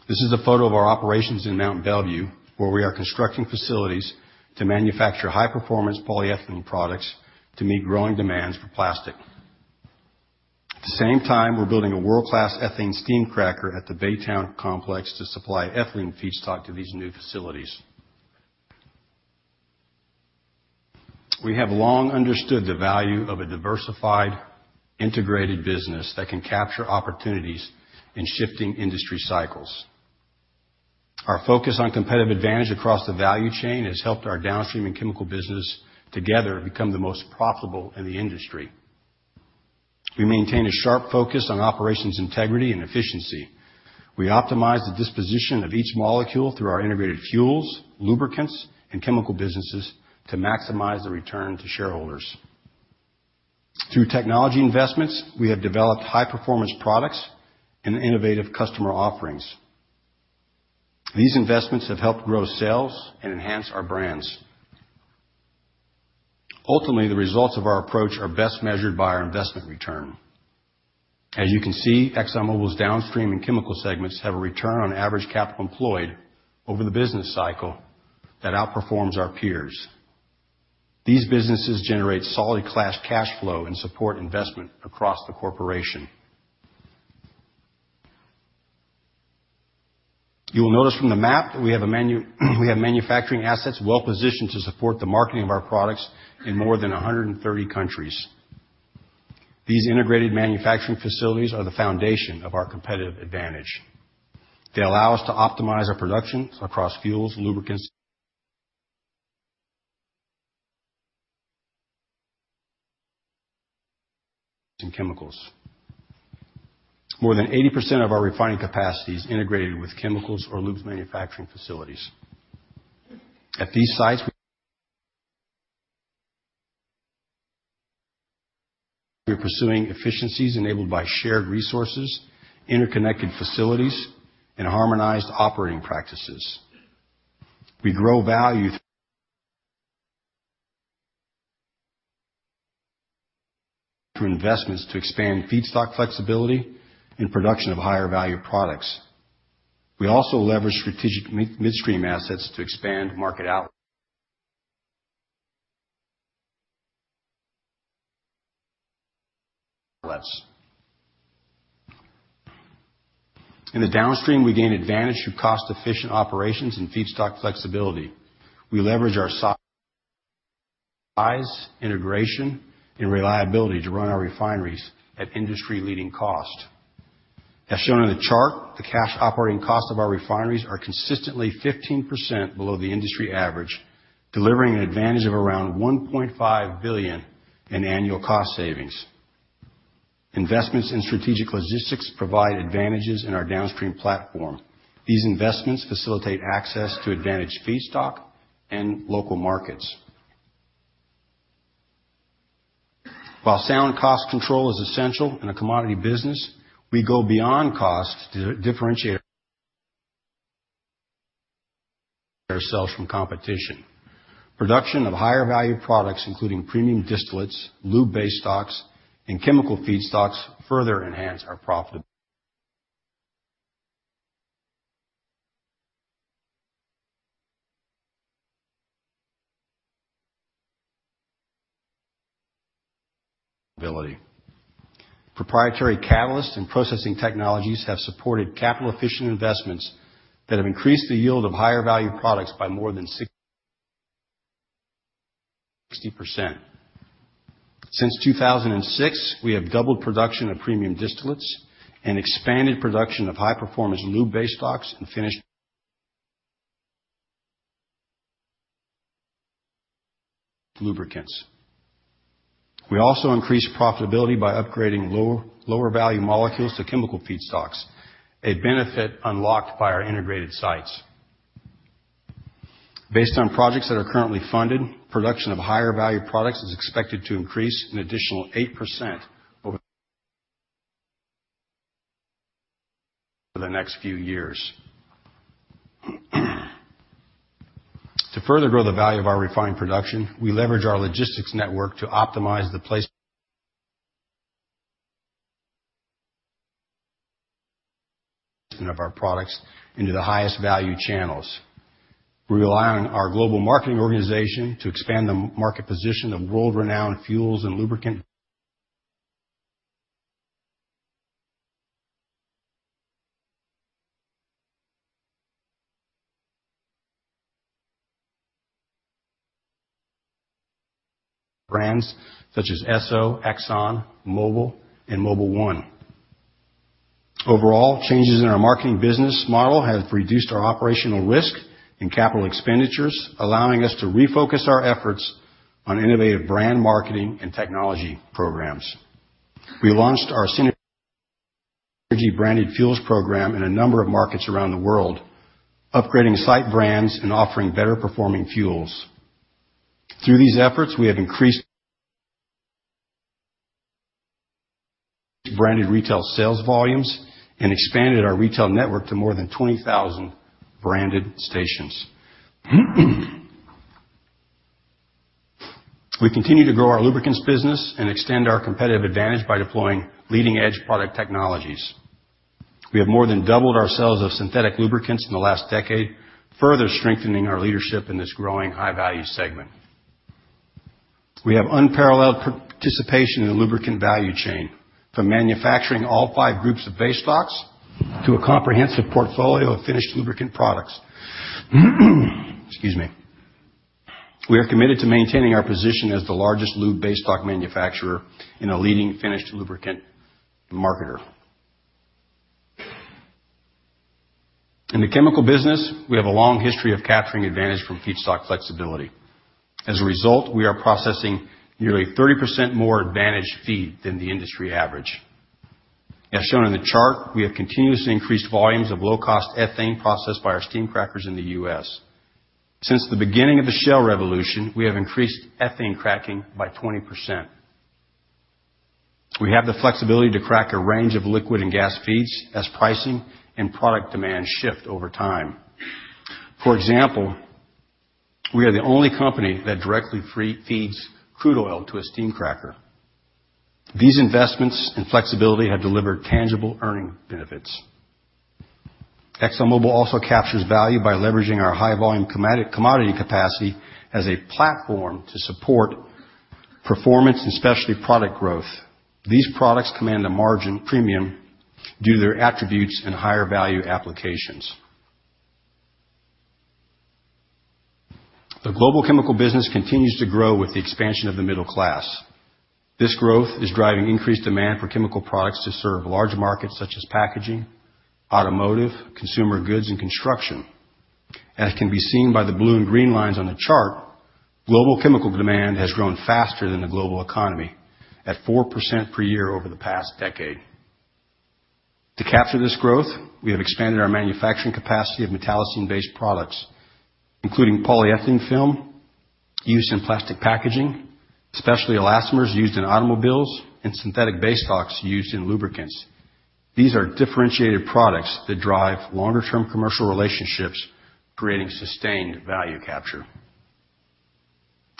This is a photo of our operations in Mont Belvieu, where we are constructing facilities to manufacture high-performance polyethylene products to meet growing demands for plastic. At the same time, we're building a world-class ethane steam cracker at the Baytown Complex to supply ethylene feedstock to these new facilities. We have long understood the value of a diversified, integrated business that can capture opportunities in shifting industry cycles. Our focus on competitive advantage across the value chain has helped our downstream and chemical business together become the most profitable in the industry. We maintain a sharp focus on operations integrity and efficiency. We optimize the disposition of each molecule through our integrated fuels, lubricants, and chemical businesses to maximize the return to shareholders. Through technology investments, we have developed high-performance products and innovative customer offerings. These investments have helped grow sales and enhance our brands. Ultimately, the results of our approach are best measured by our investment return. As you can see, ExxonMobil's downstream and chemical segments have a return on average capital employed over the business cycle that outperforms our peers. These businesses generate solid cash flow and support investment across the corporation. You will notice from the map that we have manufacturing assets well-positioned to support the marketing of our products in more than 130 countries. These integrated manufacturing facilities are the foundation of our competitive advantage. They allow us to optimize our production across fuels, lubricants, and chemicals. More than 80% of our refining capacity is integrated with chemicals or lubes manufacturing facilities. At these sites, we're pursuing efficiencies enabled by shared resources, interconnected facilities, and harmonized operating practices. We grow value through investments to expand feedstock flexibility and production of higher-value products. We also leverage strategic midstream assets to expand market outlets. In the downstream, we gain advantage through cost-efficient operations and feedstock flexibility. We leverage our size, integration, and reliability to run our refineries at industry-leading cost. As shown in the chart, the cash operating cost of our refineries are consistently 15% below the industry average, delivering an advantage of around $1.5 billion in annual cost savings. Investments in strategic logistics provide advantages in our downstream platform. These investments facilitate access to advantage feedstock and local markets. While sound cost control is essential in a commodity business, we go beyond cost to differentiate ourselves from competition. Production of higher-value products including premium distillates, lube basestocks, and chemical feedstocks further enhance our profitability. Proprietary catalyst and processing technologies have supported capital-efficient investments that have increased the yield of higher-value products by more than 60%. Since 2006, we have doubled production of premium distillates and expanded production of high-performance lube basestocks and finished lubricants. We also increased profitability by upgrading lower value molecules to chemical feedstocks, a benefit unlocked by our integrated sites. Based on projects that are currently funded, production of higher-value products is expected to increase an additional 8% over the next few years. To further grow the value of our refined production, we leverage our logistics network to optimize the placement of our products into the highest value channels. We rely on our global marketing organization to expand the market position of world-renowned fuels and lubricant brands such as Esso, Exxon, Mobil, and Mobil 1. Overall, changes in our marketing business model have reduced our operational risk and capital expenditures, allowing us to refocus our efforts on innovative brand marketing and technology programs. We launched our Synergy-branded fuels program in a number of markets around the world, upgrading site brands and offering better performing fuels. Through these efforts, we have increased branded retail sales volumes and expanded our retail network to more than 20,000 branded stations. We continue to grow our lubricants business and extend our competitive advantage by deploying leading-edge product technologies. We have more than doubled our sales of synthetic lubricants in the last decade, further strengthening our leadership in this growing high-value segment. We have unparalleled participation in the lubricant value chain, from manufacturing all five groups of basestocks to a comprehensive portfolio of finished lubricant products. Excuse me. We are committed to maintaining our position as the largest lube basestock manufacturer and a leading finished lubricant marketer. In the chemical business, we have a long history of capturing advantage from feedstock flexibility. As a result, we are processing nearly 30% more advantaged feed than the industry average. As shown in the chart, we have continuously increased volumes of low-cost ethane processed by our steam crackers in the U.S. Since the beginning of the shale revolution, we have increased ethane cracking by 20%. We have the flexibility to crack a range of liquid and gas feeds as pricing and product demand shift over time. For example, we are the only company that directly feeds crude oil to a steam cracker. These investments and flexibility have delivered tangible earning benefits. ExxonMobil also captures value by leveraging our high volume commodity capacity as a platform to support performance and specialty product growth. These products command a margin premium due to their attributes and higher value applications. The global chemical business continues to grow with the expansion of the middle class. This growth is driving increased demand for chemical products to serve large markets such as packaging, automotive, consumer goods, and construction. As can be seen by the blue and green lines on the chart, global chemical demand has grown faster than the global economy at 4% per year over the past decade. To capture this growth, we have expanded our manufacturing capacity of metallocene-based products, including polyethylene film used in plastic packaging, specialty elastomers used in automobiles, and synthetic base stocks used in lubricants. These are differentiated products that drive longer-term commercial relationships, creating sustained value capture.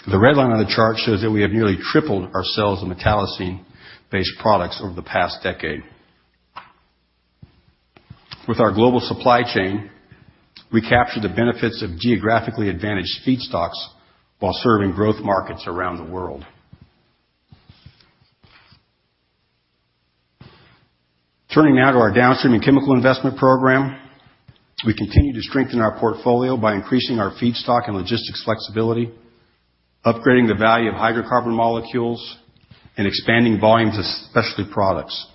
The red line on the chart shows that we have nearly tripled our sales of metallocene-based products over the past decade. With our global supply chain, we capture the benefits of geographically advantaged feedstocks while serving growth markets around the world. Turning now to our downstream and chemical investment program. We continue to strengthen our portfolio by increasing our feedstock and logistics flexibility, upgrading the value of hydrocarbon molecules, and expanding volumes of specialty products.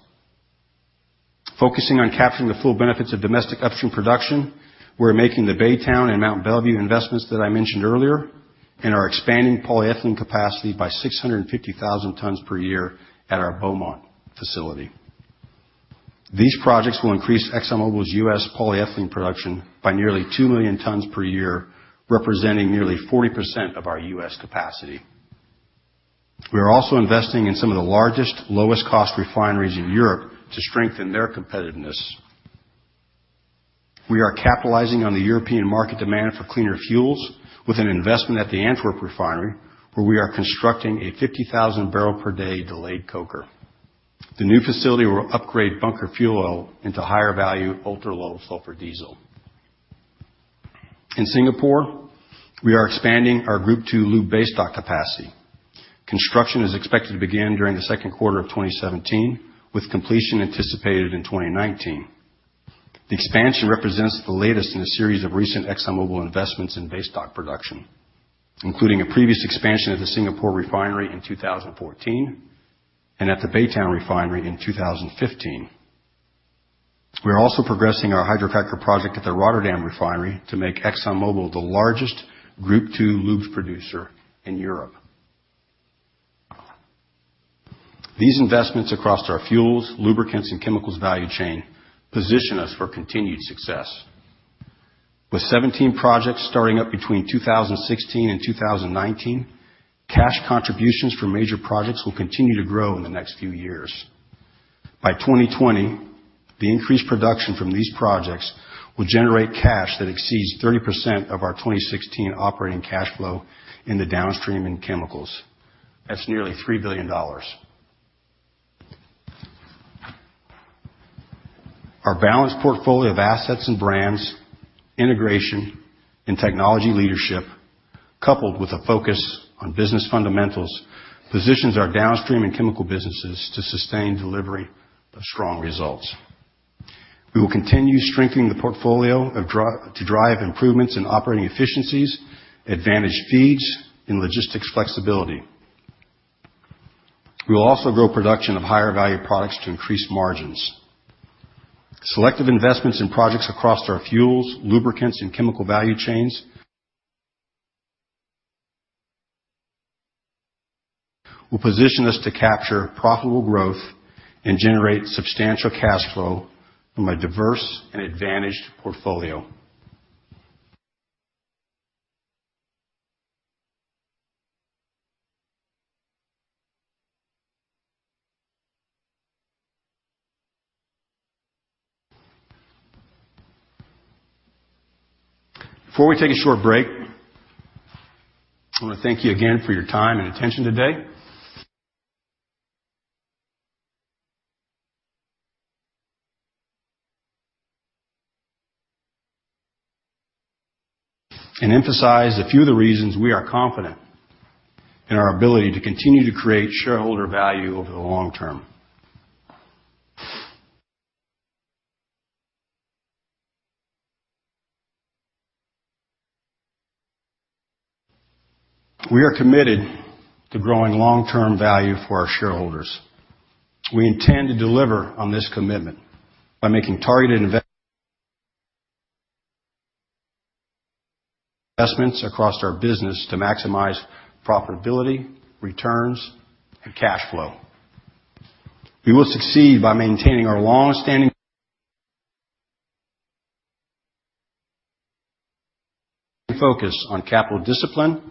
Focusing on capturing the full benefits of domestic upstream production, we're making the Baytown and Mont Belvieu investments that I mentioned earlier and are expanding polyethylene capacity by 650,000 tons per year at our Beaumont facility. These projects will increase Exxon Mobil's U.S. polyethylene production by nearly 2 million tons per year, representing nearly 40% of our U.S. capacity. We are also investing in some of the largest, lowest-cost refineries in Europe to strengthen their competitiveness. We are capitalizing on the European market demand for cleaner fuels with an investment at the Antwerp refinery, where we are constructing a 50,000-barrel-per-day delayed coker. The new facility will upgrade bunker fuel oil into higher-value, ultra-low-sulfur diesel. In Singapore, we are expanding our Group II lube basestock capacity. Construction is expected to begin during the second quarter of 2017, with completion anticipated in 2019. The expansion represents the latest in a series of recent Exxon Mobil investments in basestock production, including a previous expansion of the Singapore refinery in 2014 and at the Baytown refinery in 2015. We are also progressing our hydrocracker project at the Rotterdam refinery to make Exxon Mobil the largest Group II lubes producer in Europe. These investments across our fuels, lubricants, and chemicals value chain position us for continued success. With 17 projects starting up between 2016 and 2019, cash contributions from major projects will continue to grow in the next few years. By 2020, the increased production from these projects will generate cash that exceeds 30% of our 2016 operating cash flow in the Downstream and Chemicals. That's nearly $3 billion. Our balanced portfolio of assets and brands, integration, and technology leadership, coupled with a focus on business fundamentals, positions our Downstream and Chemical businesses to sustain delivery of strong results. We will continue strengthening the portfolio to drive improvements in operating efficiencies, advantaged feeds, and logistics flexibility. We will also grow production of higher-value products to increase margins. Selective investments in projects across our fuels, lubricants, and chemical value chains will position us to capture profitable growth and generate substantial cash flow from a diverse and advantaged portfolio. Before we take a short break, I want to thank you again for your time and attention today and emphasize a few of the reasons we are confident in our ability to continue to create shareholder value over the long term. We are committed to growing long-term value for our shareholders. We intend to deliver on this commitment by making targeted investments across our business to maximize profitability, returns, and cash flow. We will succeed by maintaining our longstanding focus on capital discipline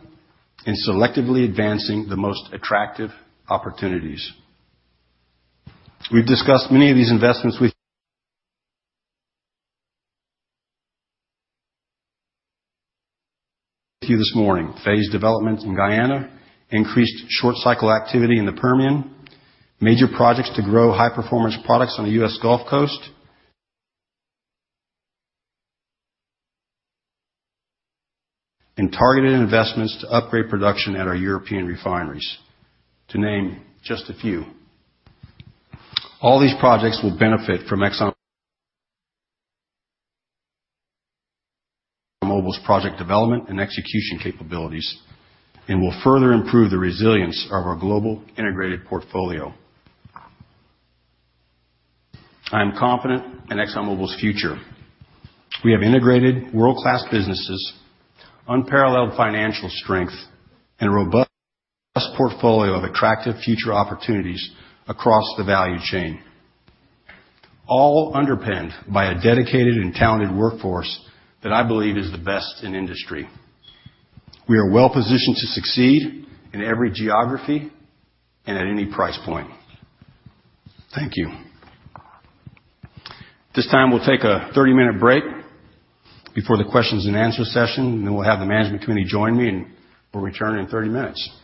and selectively advancing the most attractive opportunities. We've discussed many of these investments with you this morning. Phase development in Guyana, increased short-cycle activity in the Permian, major projects to grow high-performance products on the U.S. Gulf Coast, and targeted investments to upgrade production at our European refineries, to name just a few. All these projects will benefit from Exxon Mobil's project development and execution capabilities and will further improve the resilience of our global integrated portfolio. I am confident in Exxon Mobil's future. We have integrated world-class businesses, unparalleled financial strength, and a robust portfolio of attractive future opportunities across the value chain, all underpinned by a dedicated and talented workforce that I believe is the best in industry. We are well-positioned to succeed in every geography and at any price point. Thank you. At this time, we'll take a 30-minute break before the questions and answer session. We'll have the management committee join me, and we'll return in 30 minutes.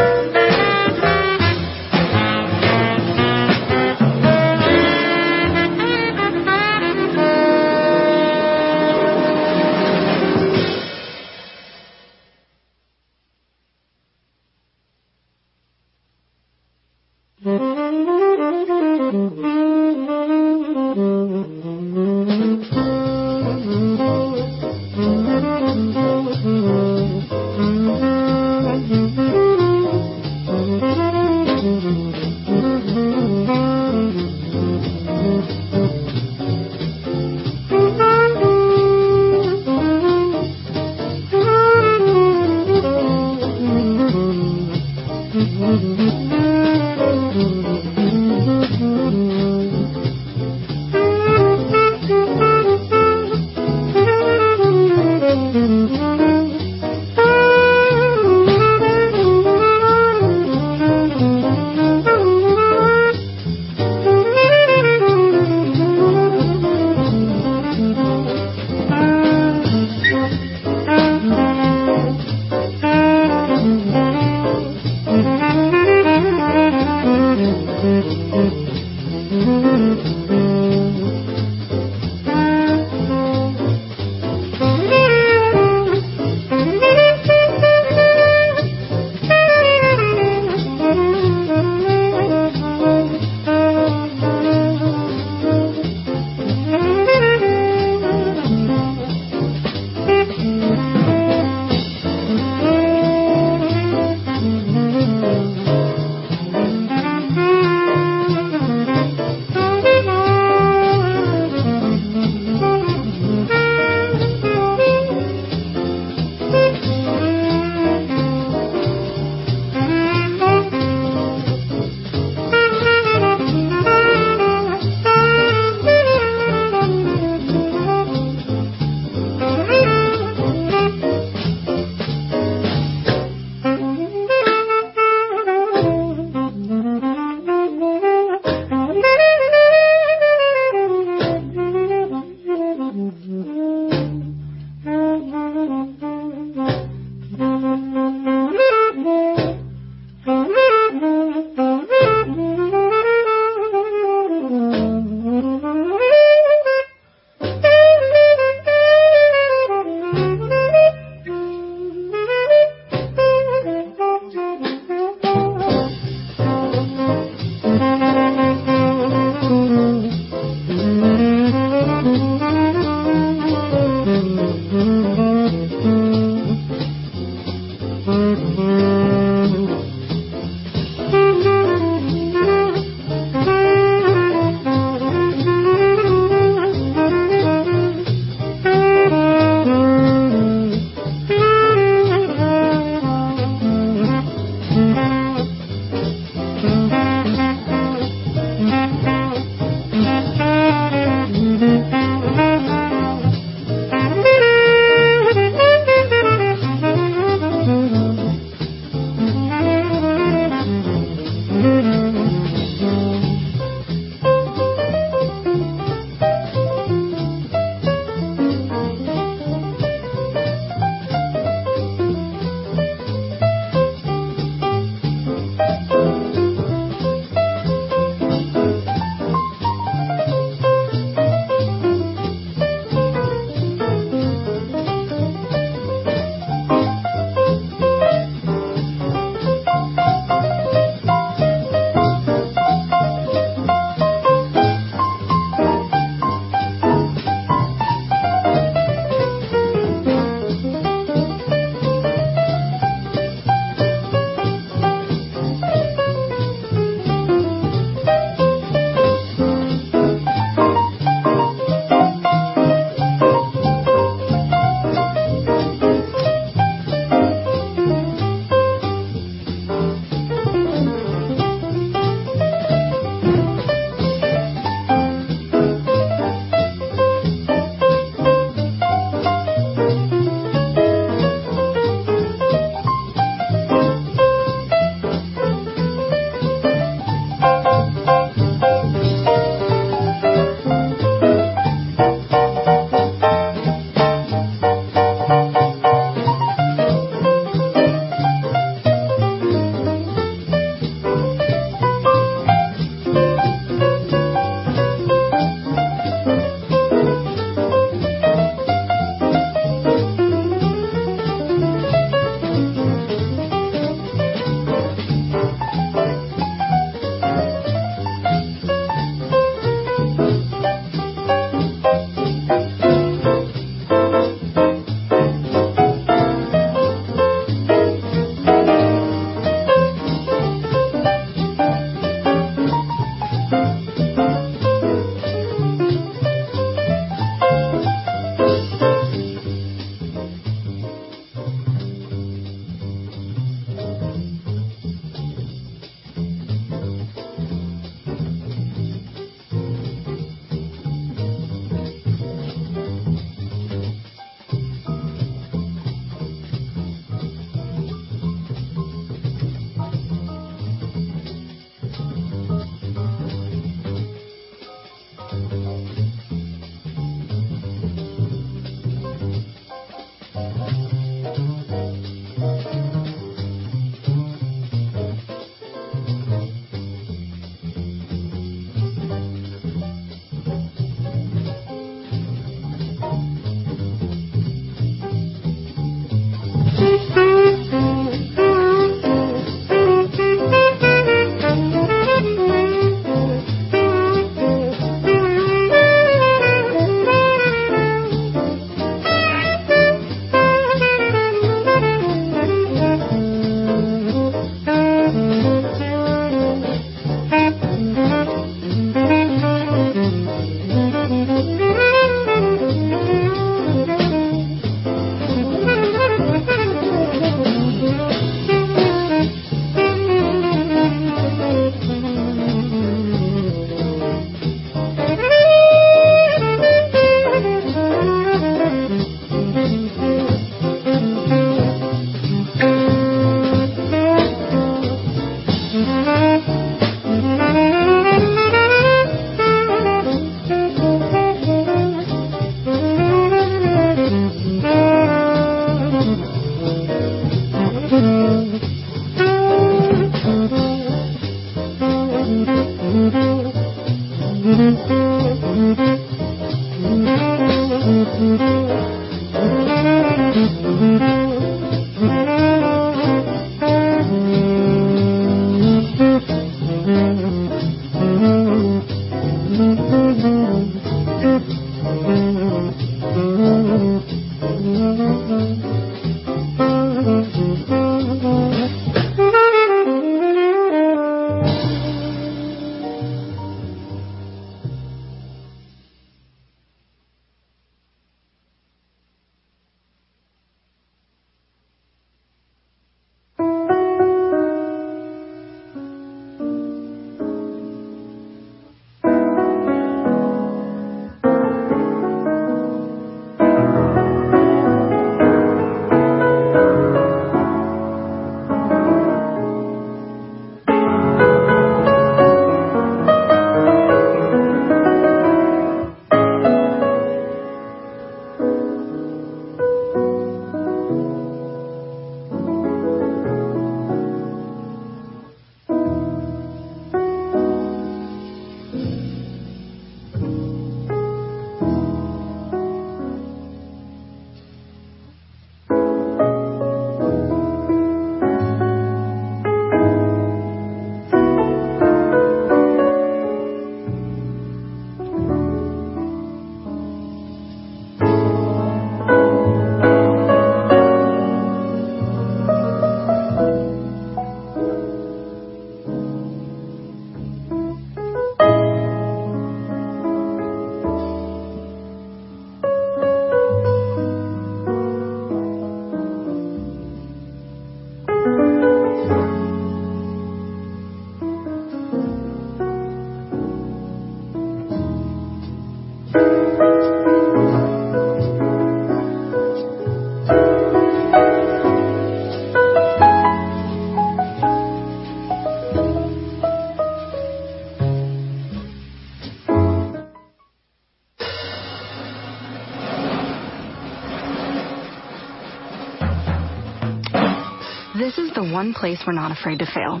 Thank you. This is the one place we're not afraid to fail.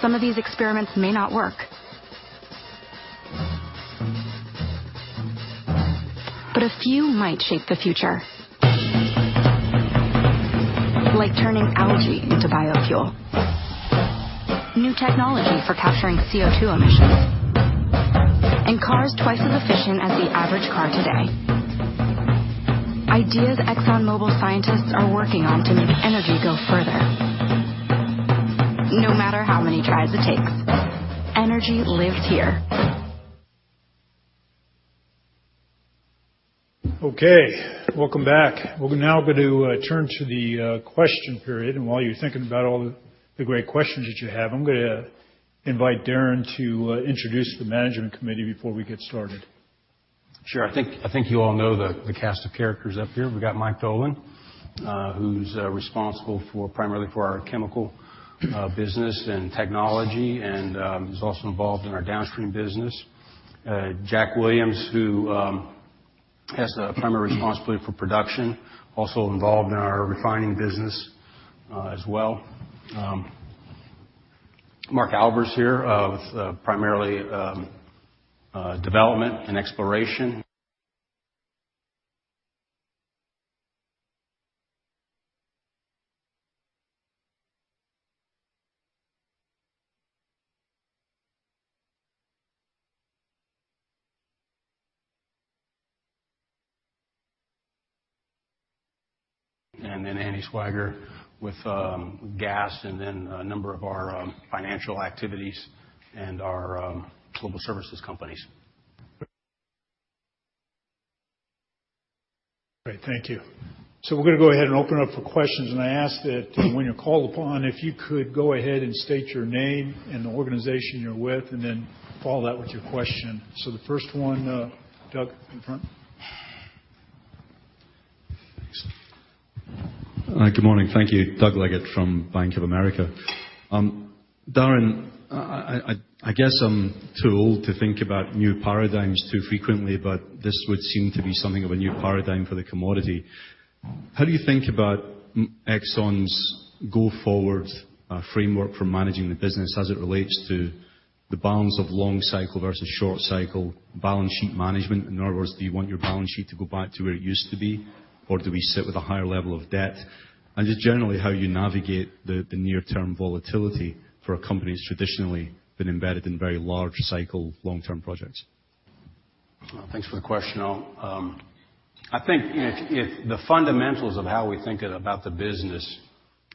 Some of these experiments may not work. A few might shape the future. Like turning algae into biofuel, new technology for capturing CO2 emissions, and cars twice as efficient as the average car today. Ideas ExxonMobil scientists are working on to make energy go further. No matter how many tries it takes. Energy lives here. Okay. Welcome back. We're now going to turn to the question period, and while you're thinking about all the great questions that you have, I'm going to invite Darren to introduce the management committee before we get started. Sure. I think you all know the cast of characters up here. We've got Mike Dolan, who's responsible primarily for our chemical business and technology, and is also involved in our downstream business. Jack Williams, who has the primary responsibility for production, also involved in our refining business as well. Mark Albers here with primarily development and exploration. Andrew Swiger with gas and then a number of our financial activities and our global services companies. Great. Thank you. We're going to go ahead and open up for questions, and I ask that when you're called upon, if you could go ahead and state your name and the organization you're with, and then follow that with your question. The first one, Doug, in front. Good morning. Thank you. Doug Leggate from Bank of America. Darren, I guess I'm too old to think about new paradigms too frequently, but this would seem to be something of a new paradigm for the commodity. How do you think about Exxon's go-forward framework for managing the business as it relates to the balance of long cycle versus short cycle balance sheet management? In other words, do you want your balance sheet to go back to where it used to be, or do we sit with a higher level of debt? Just generally, how you navigate the near-term volatility for companies traditionally been embedded in very large cycle long-term projects. Thanks for the question. I think the fundamentals of how we think about the business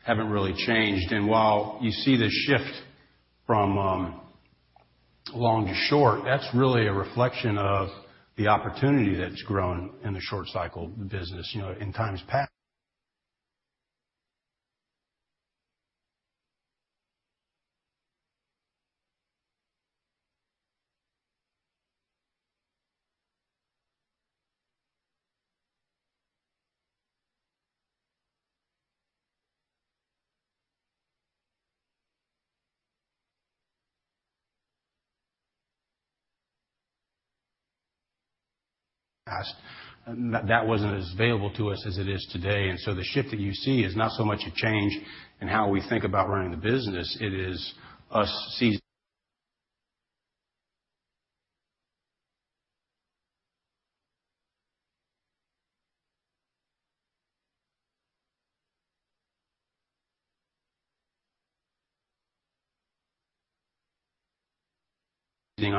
haven't really changed. While you see the shift from long to short, that's really a reflection of the opportunity that's grown in the short cycle business. In times past that wasn't as available to us as it is today. The shift that you see is not so much a change in how we think about running the business, it is us seizing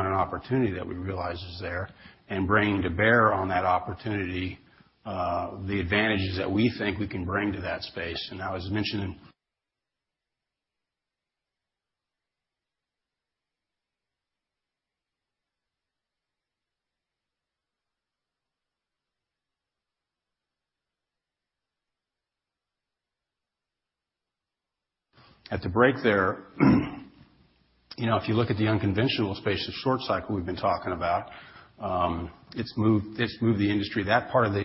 on an opportunity that we realize is there and bringing to bear on that opportunity the advantages that we think we can bring to that space. I was mentioning at the break there, if you look at the unconventional space, the short cycle we've been talking about, it's moved the industry. That part of the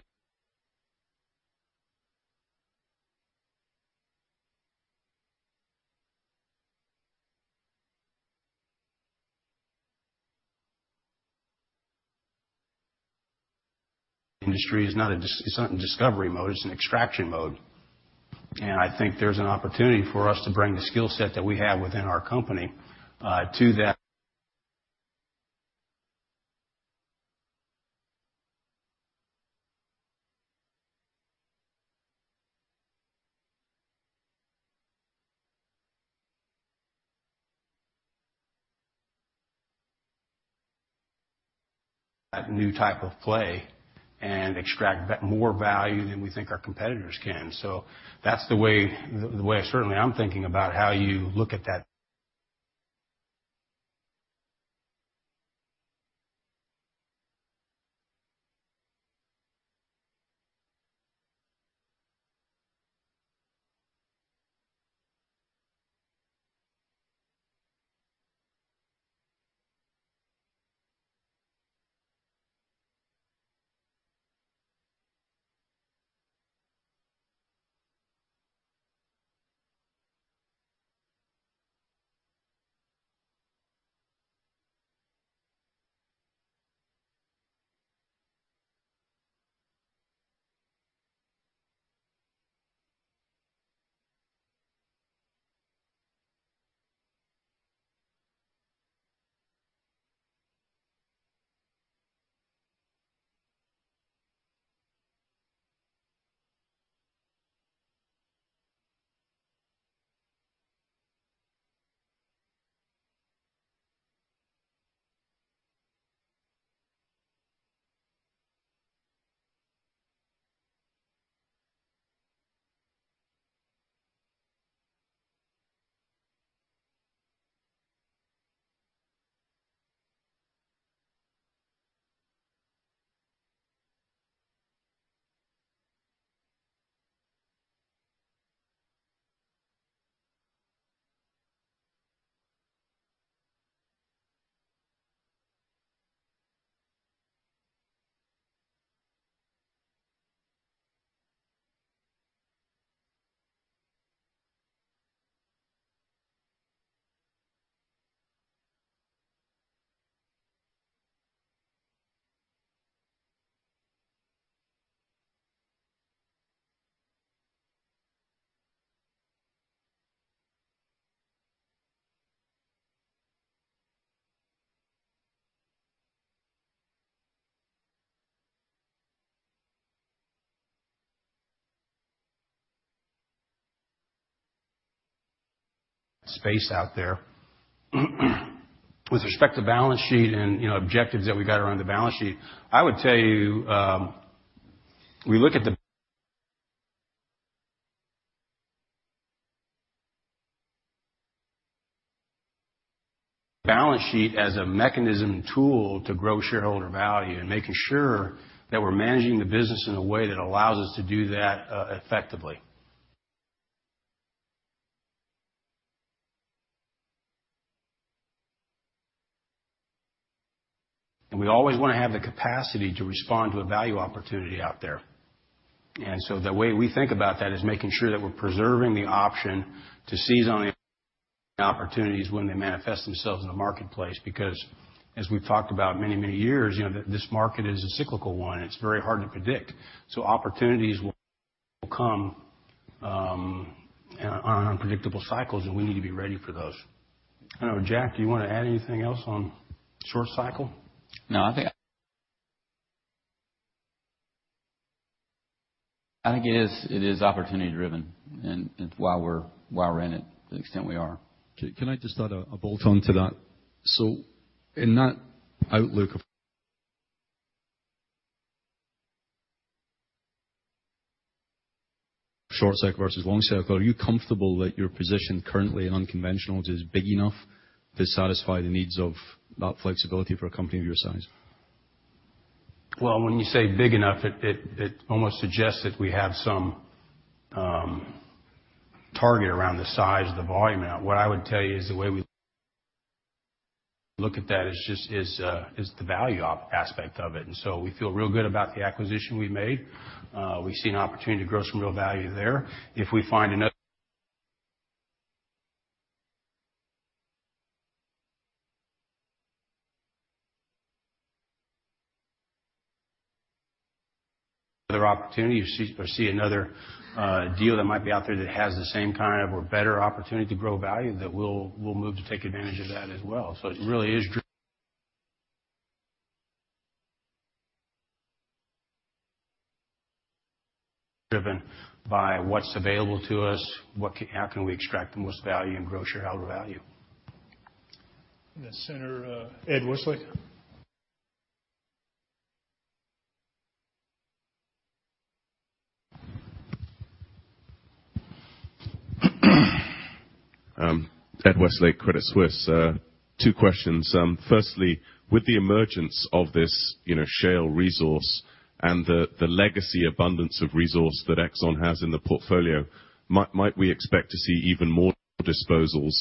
industry is not in discovery mode, it's in extraction mode. I think there's an opportunity for us to bring the skill set that we have within our company to that new type of play and extract more value than we think our competitors can. That's the way certainly I'm thinking about how you look at that space out there. With respect to balance sheet and objectives that we've got around the balance sheet, I would tell you we look at the balance sheet as a mechanism tool to grow shareholder value and making sure that we're managing the business in a way that allows us to do that effectively. We always want to have the capacity to respond to a value opportunity out there. The way we think about that is making sure that we're preserving the option to seize on the opportunities when they manifest themselves in the marketplace, because as we've talked about many, many years, this market is a cyclical one, and it's very hard to predict. Opportunities will come on unpredictable cycles, and we need to be ready for those. I don't know, Jack, do you want to add anything else on short cycle? No, I think it is opportunity-driven and while we're in it to the extent we are. Can I just add a bolt-on to that? In that outlook of short cycle versus long cycle, are you comfortable that your position currently in unconventional is big enough to satisfy the needs of that flexibility for a company of your size? When you say big enough, it almost suggests that we have some target around the size, the volume amount. What I would tell you is the way we look at that is just the value aspect of it. We feel real good about the acquisition we made. We see an opportunity to grow some real value there. If we find another opportunity or see another deal that might be out there that has the same kind of or better opportunity to grow value, we'll move to take advantage of that as well. It really is driven by what's available to us, how can we extract the most value, and grow shareholder value. In the center, Ed Westlake. Ed Westlake, Credit Suisse. Two questions. Firstly, with the emergence of this shale resource and the legacy abundance of resource that Exxon has in the portfolio, might we expect to see even more disposals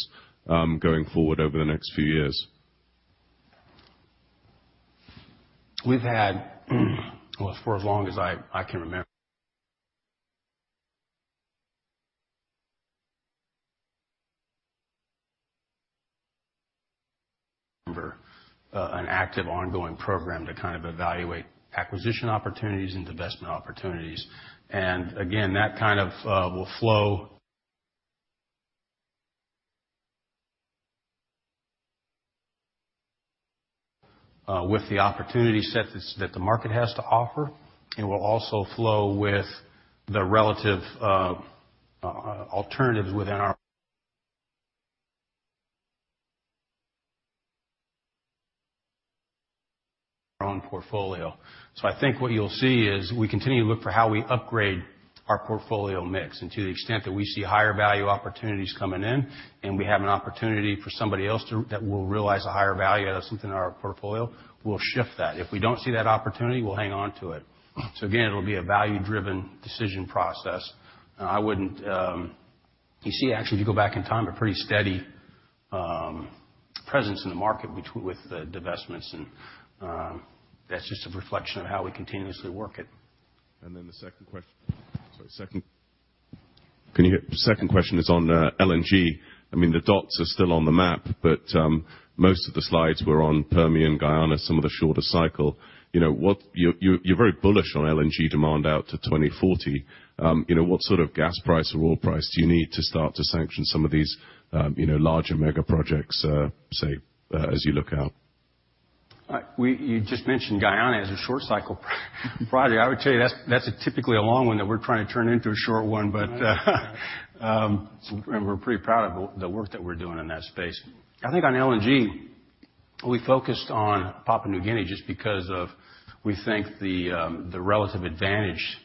going forward over the next few years? We've had, for as long as I can remember, an active ongoing program to evaluate acquisition opportunities and divestment opportunities. Again, that will flow with the opportunity set that the market has to offer. It will also flow with the relative alternatives within our own portfolio. I think what you'll see is we continue to look for how we upgrade our portfolio mix. To the extent that we see higher value opportunities coming in and we have an opportunity for somebody else that will realize a higher value out of something in our portfolio, we'll shift that. If we don't see that opportunity, we'll hang on to it. Again, it'll be a value-driven decision process. You see actually, if you go back in time, a pretty steady presence in the market with the divestments, that's just a reflection of how we continuously work it. The second question. Sorry, second. Can you hear? Second question is on the LNG. The dots are still on the map, but most of the slides were on Permian, Guyana, some of the shorter cycle. You're very bullish on LNG demand out to 2040. What sort of gas price or oil price do you need to start to sanction some of these larger mega projects, say, as you look out? You just mentioned Guyana as a short cycle project. I would tell you that's typically a long one that we're trying to turn into a short one, but we're pretty proud of the work that we're doing in that space. I think on LNG, we focused on Papua New Guinea just because of we think the relative advantage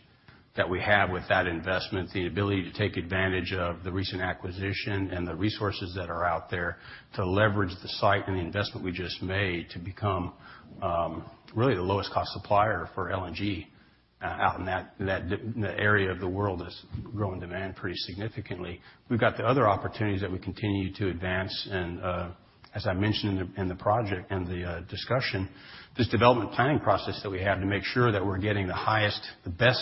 that we have with that investment, the ability to take advantage of the recent acquisition and the resources that are out there to leverage the site and the investment we just made to become really the lowest cost supplier for LNG out in that area of the world that's growing demand pretty significantly. We've got the other opportunities that we continue to advance. As I mentioned in the discussion, this development planning process that we have to make sure that we're getting the highest, the best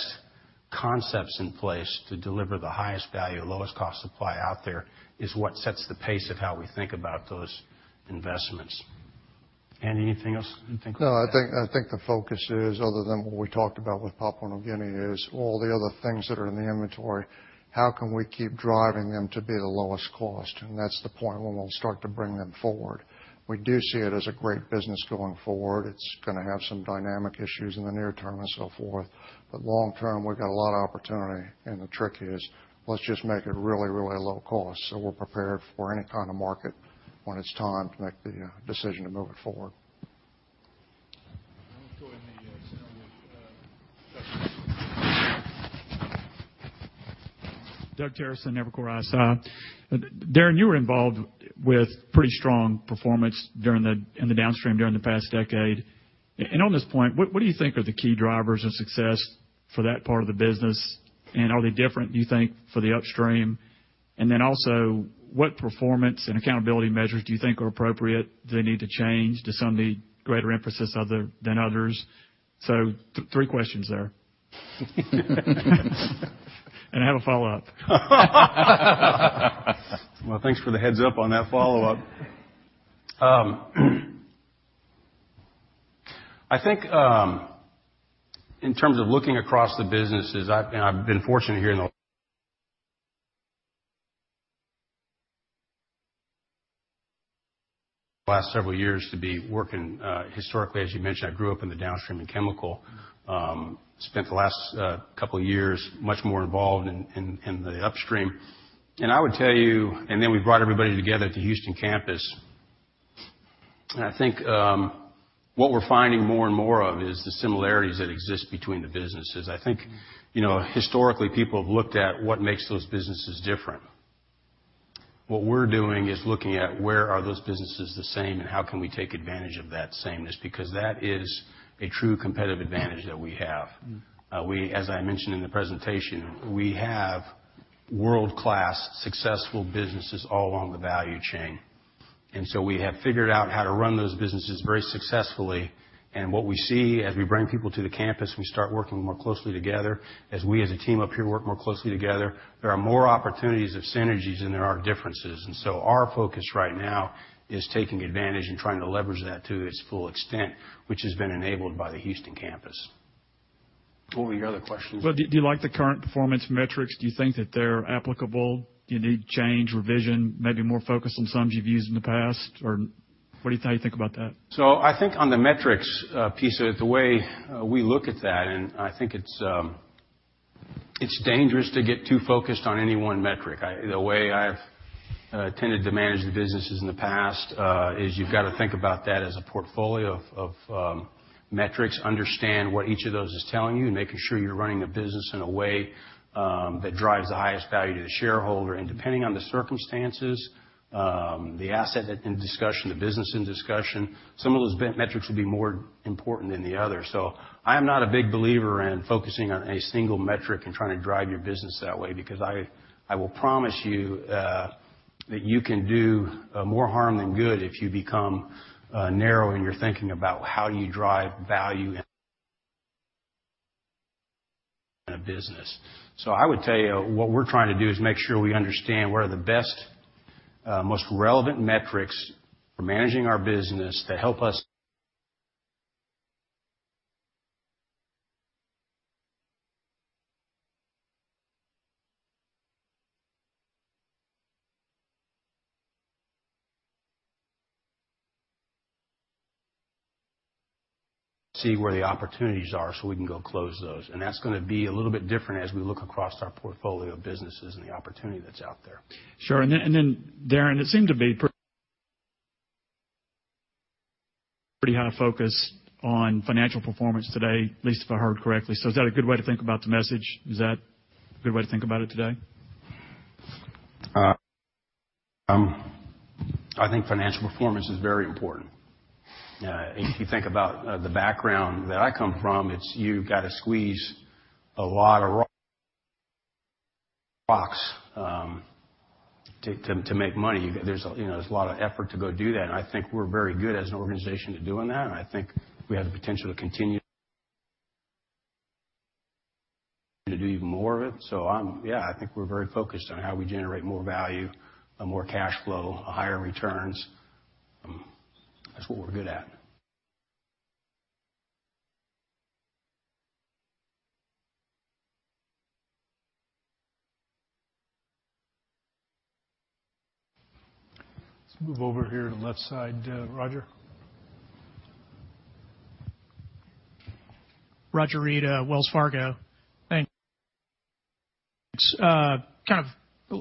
concepts in place to deliver the highest value, lowest cost supply out there is what sets the pace of how we think about those investments. Andy, anything else you think? I think, the focus is, other than what we talked about with Papua New Guinea, is all the other things that are in the inventory, how can we keep driving them to be the lowest cost? That's the point when we'll start to bring them forward. We do see it as a great business going forward. It's going to have some dynamic issues in the near term and so forth. Long term, we've got a lot of opportunity, and the trick is, let's just make it really low cost so we're prepared for any kind of market when it's time to make the decision to move it forward. We'll go in the center with Doug. Doug Terreson, Evercore ISI. Darren, you were involved with pretty strong performance in the downstream during the past decade. On this point, what do you think are the key drivers of success for that part of the business, and are they different, do you think, for the upstream? Also, what performance and accountability measures do you think are appropriate? Do they need to change? Do some need greater emphasis other than others? Three questions there. I have a follow-up. Well, thanks for the heads-up on that follow-up. I think, in terms of looking across the businesses, I've been fortunate here in the last several years to be working, historically, as you mentioned, I grew up in the downstream in chemical. Spent the last couple of years much more involved in the upstream. I would tell you we brought everybody together at the Houston campus. I think what we're finding more and more of is the similarities that exist between the businesses. I think historically, people have looked at what makes those businesses different. What we're doing is looking at where are those businesses the same, and how can we take advantage of that sameness, because that is a true competitive advantage that we have. As I mentioned in the presentation, we have world-class, successful businesses all along the value chain. We have figured out how to run those businesses very successfully. What we see as we bring people to the campus, we start working more closely together. As we as a team up here work more closely together, there are more opportunities of synergies than there are differences. Our focus right now is taking advantage and trying to leverage that to its full extent, which has been enabled by the Houston campus. What were your other questions? Well, do you like the current performance metrics? Do you think that they're applicable? Do you need change, revision, maybe more focus on some you've used in the past? Or what do you think about that? I think on the metrics piece of it, the way we look at that, I think it's dangerous to get too focused on any one metric. The way I've tended to manage the businesses in the past, is you've got to think about that as a portfolio of metrics, understand what each of those is telling you, and making sure you're running a business in a way that drives the highest value to the shareholder. Depending on the circumstances, the asset in discussion, the business in discussion, some of those metrics will be more important than the others. I am not a big believer in focusing on a single metric and trying to drive your business that way, because I will promise you that you can do more harm than good if you become narrow in your thinking about how you drive value in a business. I would tell you, what we're trying to do is make sure we understand what are the best, most relevant metrics for managing our business to help us see where the opportunities are so we can go close those. That's going to be a little bit different as we look across our portfolio of businesses and the opportunity that's out there. Sure. Darren, it seemed to be pretty high focus on financial performance today, at least if I heard correctly. Is that a good way to think about the message? Is that a good way to think about it today? I think financial performance is very important. If you think about the background that I come from, it's you've got to squeeze to make money. There's a lot of effort to go do that. I think we're very good as an organization at doing that. I think we have the potential to continue to do even more of it. I think we're very focused on how we generate more value, more cash flow, higher returns. That's what we're good at. Let's move over here to the left side. Roger? Roger Read, Wells Fargo. Thanks. Kind of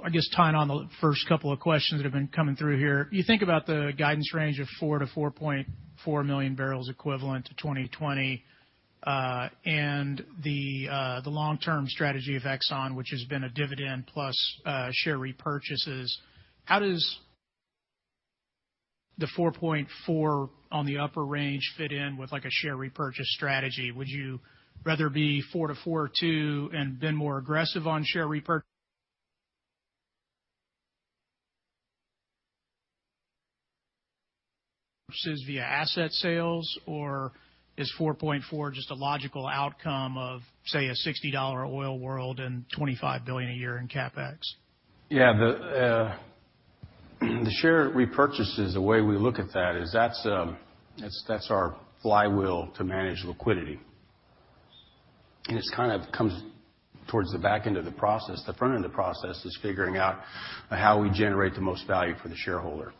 I guess tying on the first couple of questions that have been coming through here. You think about the guidance range of 4 million to 4.4 million barrels equivalent to 2020, the long-term strategy of Exxon, which has been a dividend plus share repurchases. How does the 4.4 on the upper range fit in with like a share repurchase strategy? Would you rather be 4 million to 4.2 million and then more aggressive on share repurchases via asset sales, or is 4.4 just a logical outcome of, say, a $60 oil world and $25 billion a year in CapEx? Yeah. The share repurchases, the way we look at that is that's our flywheel to manage liquidity, It kind of comes towards the back end of the process. The front end of the process is figuring out how we generate the most value for the shareholder.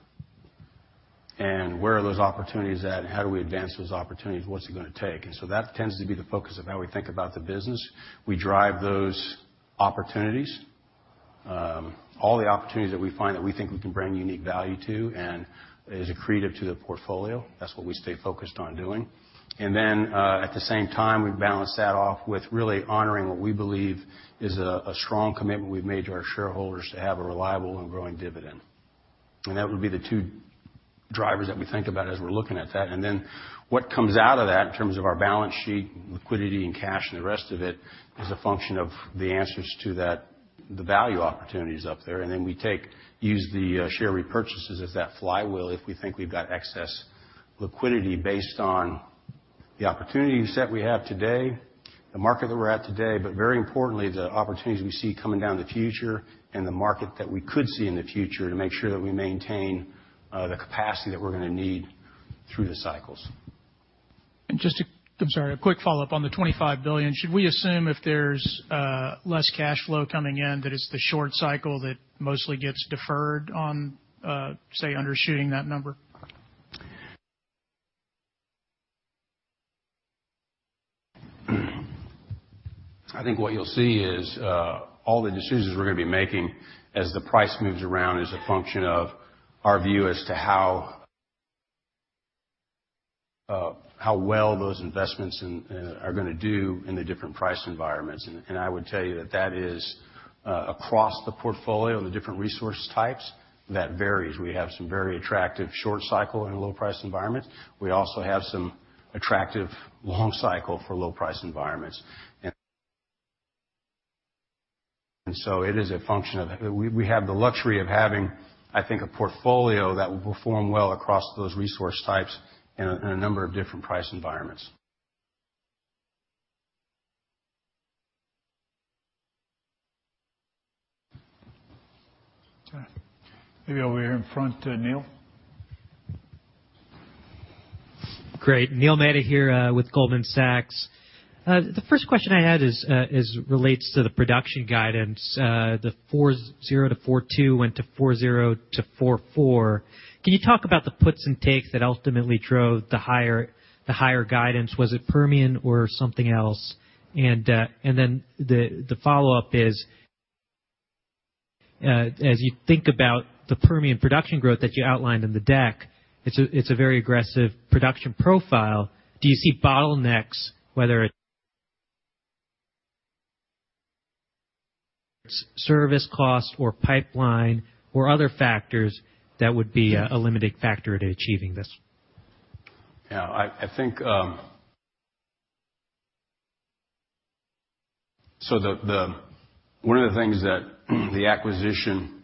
Where are those opportunities at, and how do we advance those opportunities? What's it going to take? That tends to be the focus of how we think about the business. We drive those opportunities. All the opportunities that we find that we think we can bring unique value to and is accretive to the portfolio, that's what we stay focused on doing. At the same time, we balance that off with really honoring what we believe is a strong commitment we've made to our shareholders to have a reliable and growing dividend. That would be the two drivers that we think about as we're looking at that. What comes out of that in terms of our balance sheet, liquidity, and cash, and the rest of it, is a function of the answers to the value opportunities up there. We use the share repurchases as that flywheel if we think we've got excess liquidity based on the opportunity set we have today, the market that we're at today, but very importantly, the opportunities we see coming down the future and the market that we could see in the future to make sure that we maintain the capacity that we're going to need through the cycles. Just a, I'm sorry, a quick follow-up on the $25 billion. Should we assume if there's less cash flow coming in, that it's the short cycle that mostly gets deferred on, say, undershooting that number? I think what you'll see is all the decisions we're going to be making as the price moves around is a function of our view as to how well those investments are going to do in the different price environments. I would tell you that that is across the portfolio and the different resource types, that varies. We have some very attractive short cycle in a low price environment. We also have some attractive long cycle for low price environments. It is a function of it. We have the luxury of having, I think, a portfolio that will perform well across those resource types in a number of different price environments. Okay. Maybe over here in front, Neil. Great. Neil Mehta here with Goldman Sachs. The first question I had relates to the production guidance, the 4.0 to 4.2 went to 4.0 to 4.4. Can you talk about the puts and takes that ultimately drove the higher guidance? Was it Permian or something else? The follow-up is, as you think about the Permian production growth that you outlined in the deck, it's a very aggressive production profile. Do you see bottlenecks, whether it's service costs or pipeline or other factors that would be a limiting factor to achieving this? Yeah. One of the things that the acquisition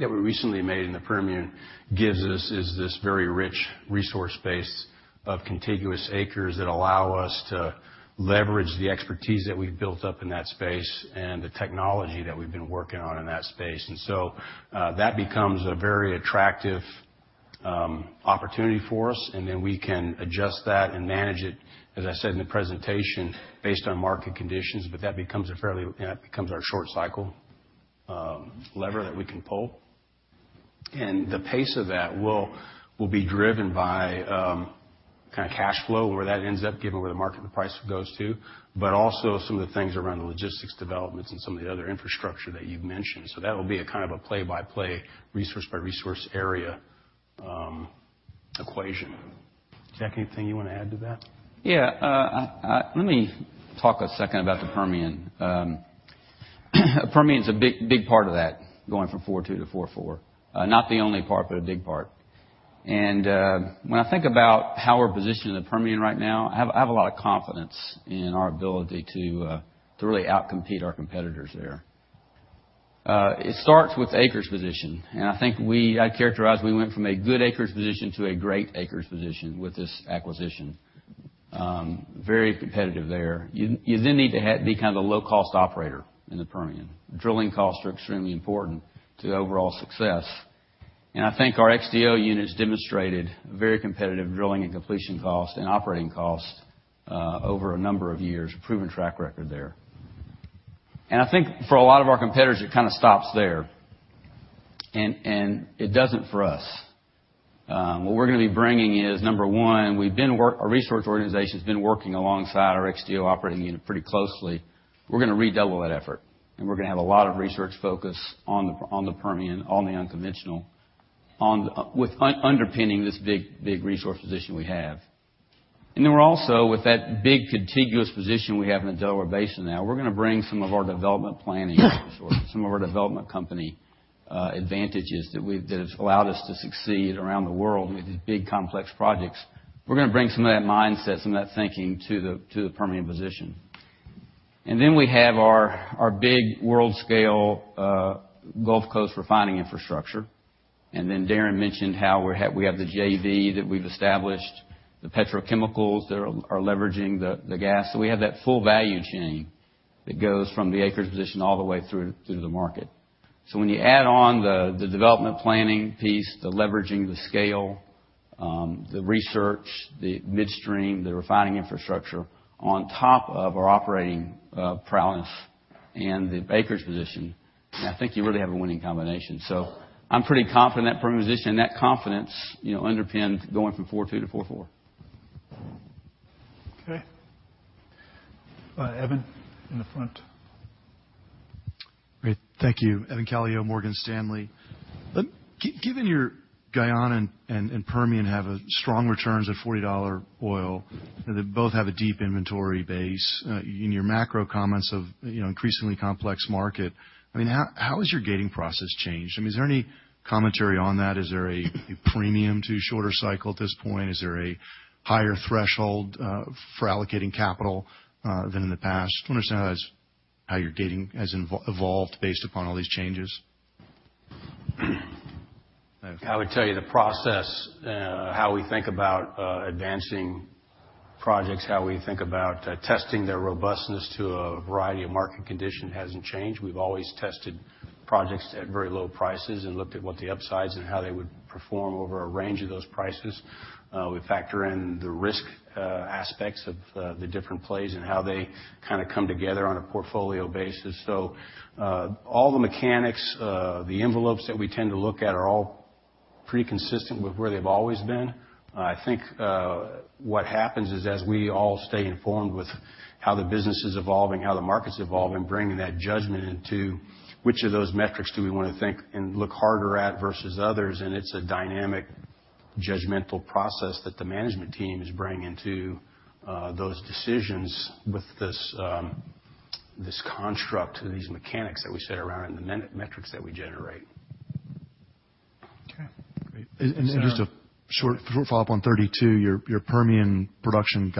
that we recently made in the Permian gives us is this very rich resource base of contiguous acres that allow us to leverage the expertise that we've built up in that space and the technology that we've been working on in that space. That becomes a very attractive opportunity for us, we can adjust that and manage it, as I said in the presentation, based on market conditions. That becomes our short cycle lever that we can pull. The pace of that will be driven by cash flow, where that ends up, given where the market and the price goes to, but also some of the things around the logistics developments and some of the other infrastructure that you've mentioned. That'll be a kind of a play-by-play, resource-by-resource area equation. Jack, anything you want to add to that? Yeah. Let me talk a second about the Permian. Permian is a big part of that, going from 4.2 to 4.4. Not the only part, but a big part. When I think about how we're positioned in the Permian right now, I have a lot of confidence in our ability to really out-compete our competitors there. It starts with the acres position. I think I'd characterize we went from a good acres position to a great acres position with this acquisition. Very competitive there. You then need to be kind of a low-cost operator in the Permian. Drilling costs are extremely important to overall success. I think our XTO unit's demonstrated very competitive drilling and completion cost and operating cost over a number of years, a proven track record there. I think for a lot of our competitors, it kind of stops there. It doesn't for us. What we're going to be bringing is, number one, our research organization's been working alongside our XTO operating unit pretty closely. We're going to redouble that effort, we're going to have a lot of research focus on the Permian, on the unconventional, with underpinning this big resource position we have. We're also, with that big contiguous position we have in the Delaware Basin now, we're going to bring some of our development planning resources, some of our development company advantages that has allowed us to succeed around the world with these big, complex projects. We're going to bring some of that mindset, some of that thinking to the Permian position. We have our big world-scale Gulf Coast refining infrastructure. Darren mentioned how we have the JV that we've established, the petrochemicals that are leveraging the gas. We have that full value chain that goes from the acres position all the way through to the market. When you add on the development planning piece, the leveraging the scale, the research, the midstream, the refining infrastructure on top of our operating prowess and the acres position, I think you really have a winning combination. I'm pretty confident that Permian position, that confidence underpins going from 4.2 to 4.4. Okay. Evan, in the front. Great. Thank you. Evan Calio, Morgan Stanley. Given your Guyana and Permian have strong returns at $40 oil, and they both have a deep inventory base, in your macro comments of increasingly complex market, how has your gating process changed? Is there any commentary on that? Is there a premium to shorter cycle at this point? Is there a higher threshold for allocating capital than in the past? I just want to understand how your gating has evolved based upon all these changes. I would tell you the process, how we think about advancing projects, how we think about testing their robustness to a variety of market condition hasn't changed. We've always tested projects at very low prices and looked at what the upsides and how they would perform over a range of those prices. We factor in the risk aspects of the different plays and how they kind of come together on a portfolio basis. All the mechanics, the envelopes that we tend to look at are all pretty consistent with where they've always been. I think what happens is, as we all stay informed with how the business is evolving, how the market's evolving, bringing that judgment into which of those metrics do we want to think and look harder at versus others, it's a dynamic, judgmental process that the management team is bringing to those decisions with this construct and these mechanics that we set around it and the metrics that we generate. Okay, great. Just a short follow-up on 32, your Permian production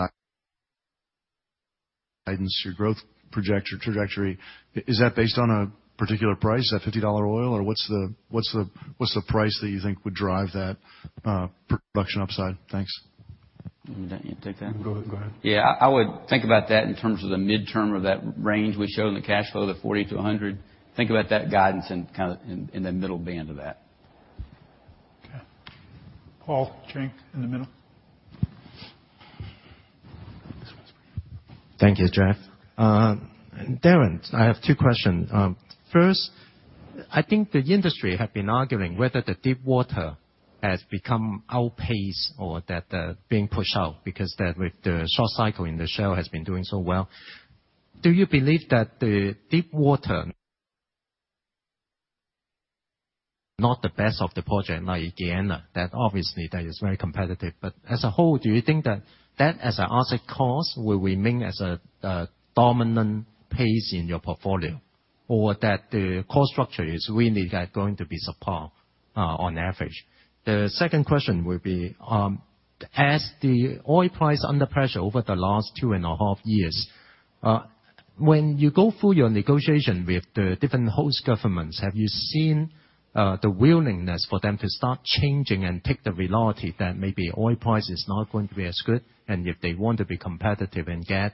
guidance, your growth trajectory, is that based on a particular price, that $50 oil, or what's the price that you think would drive that production upside? Thanks. You want me to take that? Go ahead. Yeah. I would think about that in terms of the midterm of that range we show in the cash flow, the $40-$100. Think about that guidance in the middle band of that. Okay. Paul Cheng in the middle. Thank you, Jeff. Darren, I have two questions. First, I think the industry have been arguing whether the deep water has become outpaced or that they're being pushed out because with the short cycle in the shale has been doing so well. Do you believe that the deep water, not the best of the project, like Guyana, that obviously that is very competitive. As a whole, do you think that as an asset class will remain as a dominant pace in your portfolio or that the cost structure is really going to be subpar on average? The second question will be as the oil price under pressure over the last two and a half years, when you go through your negotiation with the different host governments, have you seen the willingness for them to start changing and take the reality that maybe oil price is not going to be as good, and if they want to be competitive and get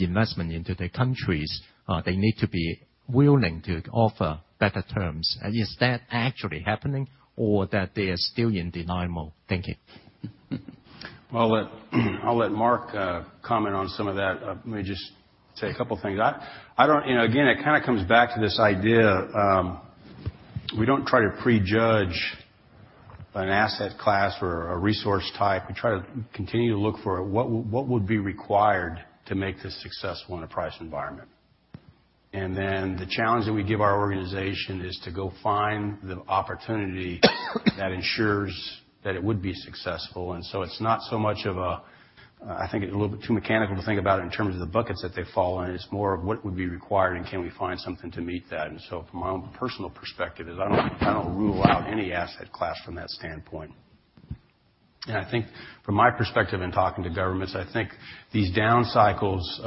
investment into their countries, they need to be willing to offer better terms. Is that actually happening or that they are still in denial mode? Thank you. Well, I'll let Mark comment on some of that. Let me just say a couple of things. Again, it kind of comes back to this idea of we don't try to prejudge an asset class or a resource type. We try to continue to look for what would be required to make this successful in a price environment. The challenge that we give our organization is to go find the opportunity that ensures that it would be successful. It's not so much of a I think it's a little bit too mechanical to think about it in terms of the buckets that they fall in. It's more of what would be required, and can we find something to meet that? From my own personal perspective is I don't rule out any asset class from that standpoint. I think from my perspective in talking to governments, I think these down cycles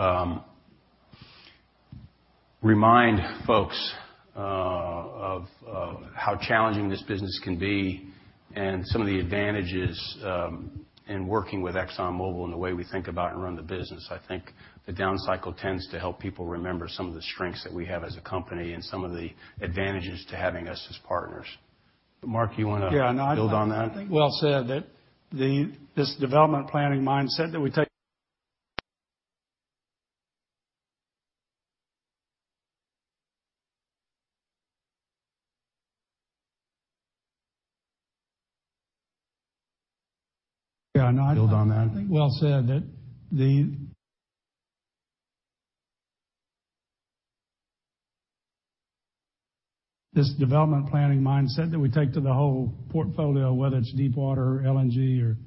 remind folks of how challenging this business can be and some of the advantages in working with ExxonMobil and the way we think about and run the business. I think the down cycle tends to help people remember some of the strengths that we have as a company and some of the advantages to having us as partners. Mark, you want to build on that? Yeah, no, I think well said that this development planning mindset that we take to the whole portfolio, whether it's deep water or LNG or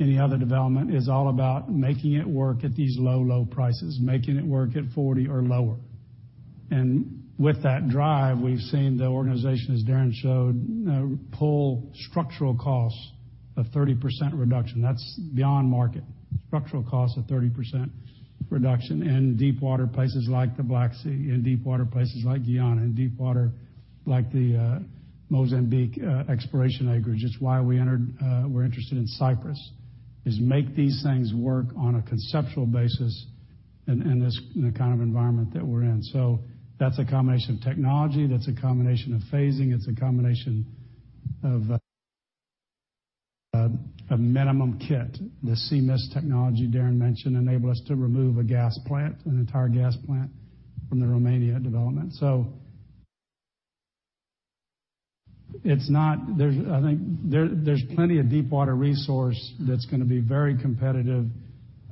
any other development, is all about making it work at these low, low prices, making it work at $40 or lower. With that drive, we've seen the organization, as Darren showed, pull structural costs, a 30% reduction. That's beyond market. Structural costs of 30% reduction in deep water places like the Black Sea, in deep water places like Guyana, in deep water like the Mozambique exploration acreage. It's why we're interested in Cyprus, is make these things work on a conceptual basis in the kind of environment that we're in. That's a combination of technology, that's a combination of phasing, it's a combination of a minimum kit. The cMIST technology Darren mentioned enable us to remove a gas plant, an entire gas plant from the Romania development. I think there's plenty of deep water resource that's going to be very competitive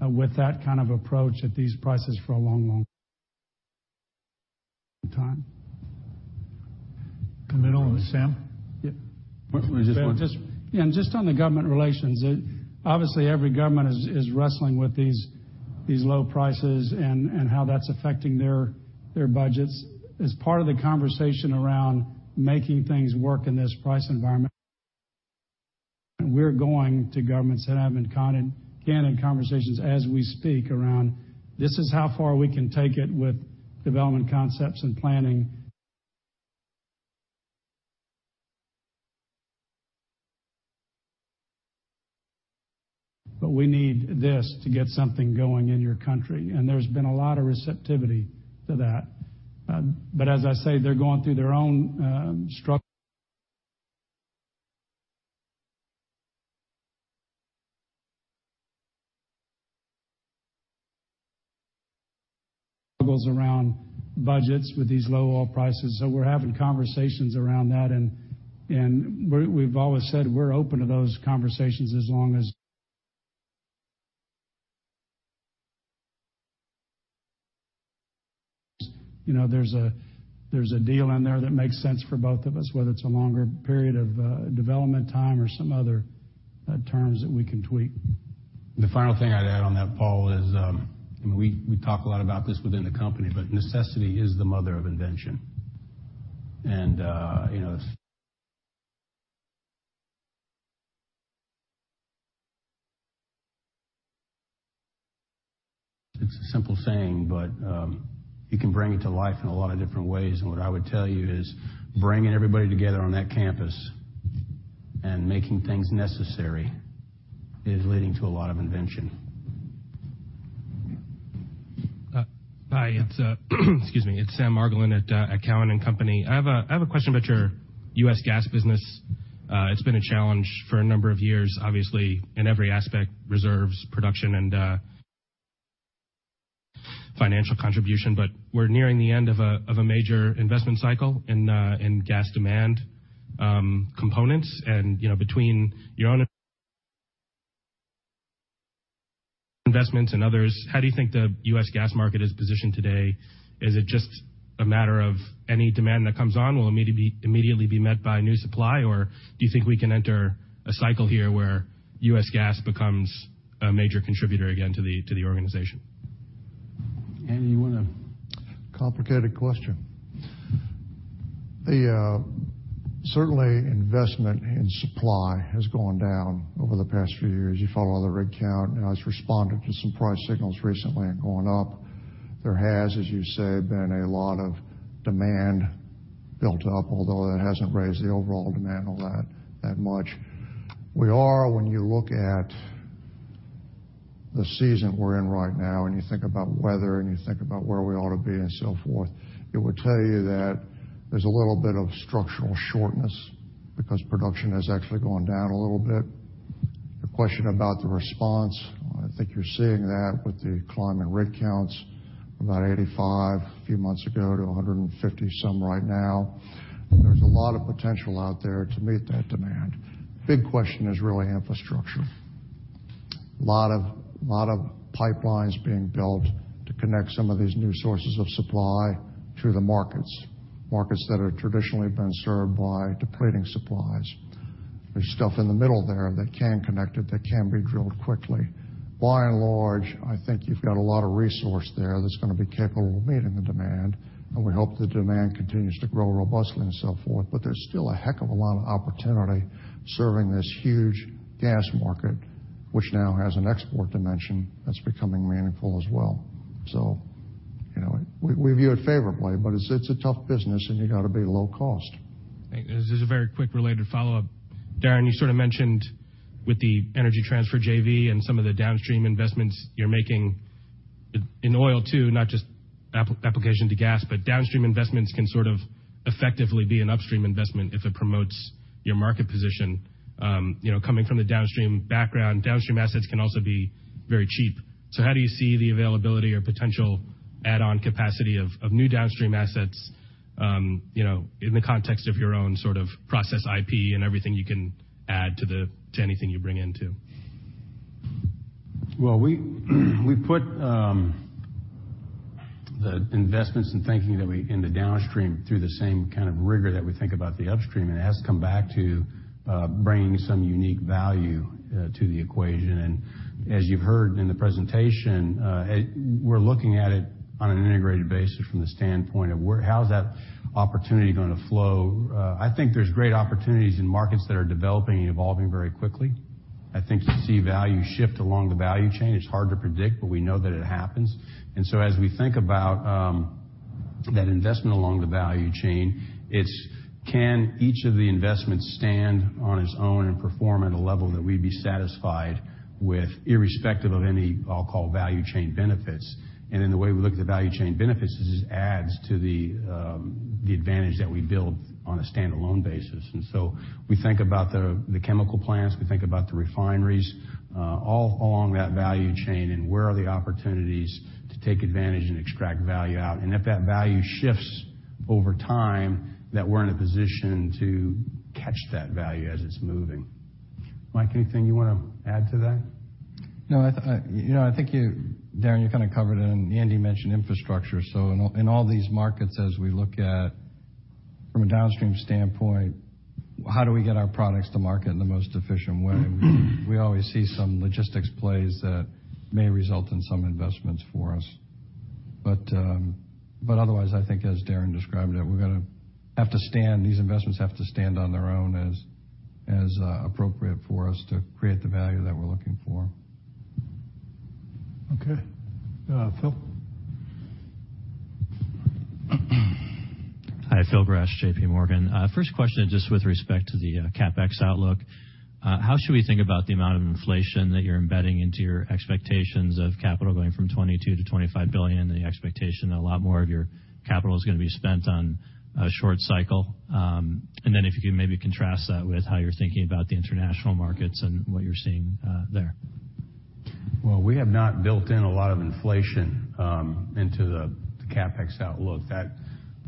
with that kind of approach at these prices for a long, long time. Sam? Yeah. Just want- Just on the government relations, obviously every government is wrestling with these low prices and how that's affecting their budgets. As part of the conversation around making things work in this price environment, we're going to governments and having conversations as we speak around this is how far we can take it with development concepts and planning. We need this to get something going in your country. There's been a lot of receptivity to that. As I say, they're going through their own struggles around budgets with these low oil prices. We're having conversations around that, and we've always said we're open to those conversations as long as there's a deal in there that makes sense for both of us, whether it's a longer period of development time or some other terms that we can tweak. The final thing I'd add on that, Paul, is we talk a lot about this within the company, but necessity is the mother of invention. It's a simple saying, but you can bring it to life in a lot of different ways. What I would tell you is bringing everybody together on that campus and making things necessary is leading to a lot of invention. Hi. It's excuse me, it's Sam Margolin at Cowen and Company. I have a question about your U.S. gas business. It's been a challenge for a number of years, obviously, in every aspect, reserves, production, and financial contribution. We're nearing the end of a major investment cycle in gas demand components and between your own investments and others, how do you think the U.S. gas market is positioned today? Is it just a matter of any demand that comes on will immediately be met by new supply? Do you think we can enter a cycle here where U.S. gas becomes a major contributor again to the organization? Andy, you want to- Complicated question. Certainly, investment in supply has gone down over the past few years. You follow the rig count, it's responded to some price signals recently and going up. There has, as you say, been a lot of demand built up, although that hasn't raised the overall demand all that much. We are, when you look at the season we're in right now, and you think about weather and you think about where we ought to be and so forth, it would tell you that there's a little bit of structural shortness because production has actually gone down a little bit. Your question about the response, I think you're seeing that with the climb in rig counts, about 85 a few months ago to 150 some right now. There's a lot of potential out there to meet that demand. Big question is really infrastructure. Lot of pipelines being built to connect some of these new sources of supply to the markets. Markets that have traditionally been served by depleting supplies. There's stuff in the middle there that can connect it, that can be drilled quickly. By and large, I think you've got a lot of resource there that's going to be capable of meeting the demand, We hope the demand continues to grow robustly and so forth. There's still a heck of a lot of opportunity serving this huge gas market, which now has an export dimension that's becoming meaningful as well. We view it favorably, but it's a tough business and you got to be low cost. This is a very quick related follow-up. Darren, you sort of mentioned with the Energy Transfer JV and some of the downstream investments you're making in oil too, not just application to gas, but downstream investments can sort of effectively be an upstream investment if it promotes your market position. Coming from the downstream background, downstream assets can also be very cheap. How do you see the availability or potential add-on capacity of new downstream assets in the context of your own sort of process IP and everything you can add to anything you bring into? We put the investments and thinking in the downstream through the same kind of rigor that we think about the upstream. It has come back to bringing some unique value to the equation. As you've heard in the presentation, we're looking at it on an integrated basis from the standpoint of how's that opportunity going to flow. I think there's great opportunities in markets that are developing and evolving very quickly. I think you see value shift along the value chain. It's hard to predict, but we know that it happens. As we think about that investment along the value chain, it's can each of the investments stand on its own and perform at a level that we'd be satisfied with irrespective of any I'll call value chain benefits? The way we look at the value chain benefits is it adds to the advantage that we build on a standalone basis. We think about the chemical plants, we think about the refineries all along that value chain and where are the opportunities to take advantage and extract value out. If that value shifts over time, that we're in a position to catch that value as it's moving. Mike, anything you want to add to that? No, I think you, Darren, you kind of covered it. Andy mentioned infrastructure. In all these markets, as we look at from a downstream standpoint, how do we get our products to market in the most efficient way? We always see some logistics plays that may result in some investments for us. Otherwise, I think as Darren described it, these investments have to stand on their own as appropriate for us to create the value that we're looking for. Okay. Phil? Hi, Phil Gresh, JPMorgan Chase. First question, just with respect to the CapEx outlook, how should we think about the amount of inflation that you're embedding into your expectations of capital going from $22 billion-$25 billion and the expectation that a lot more of your capital is going to be spent on short cycle? If you could maybe contrast that with how you're thinking about the international markets and what you're seeing there. Well, we have not built in a lot of inflation into the CapEx outlook.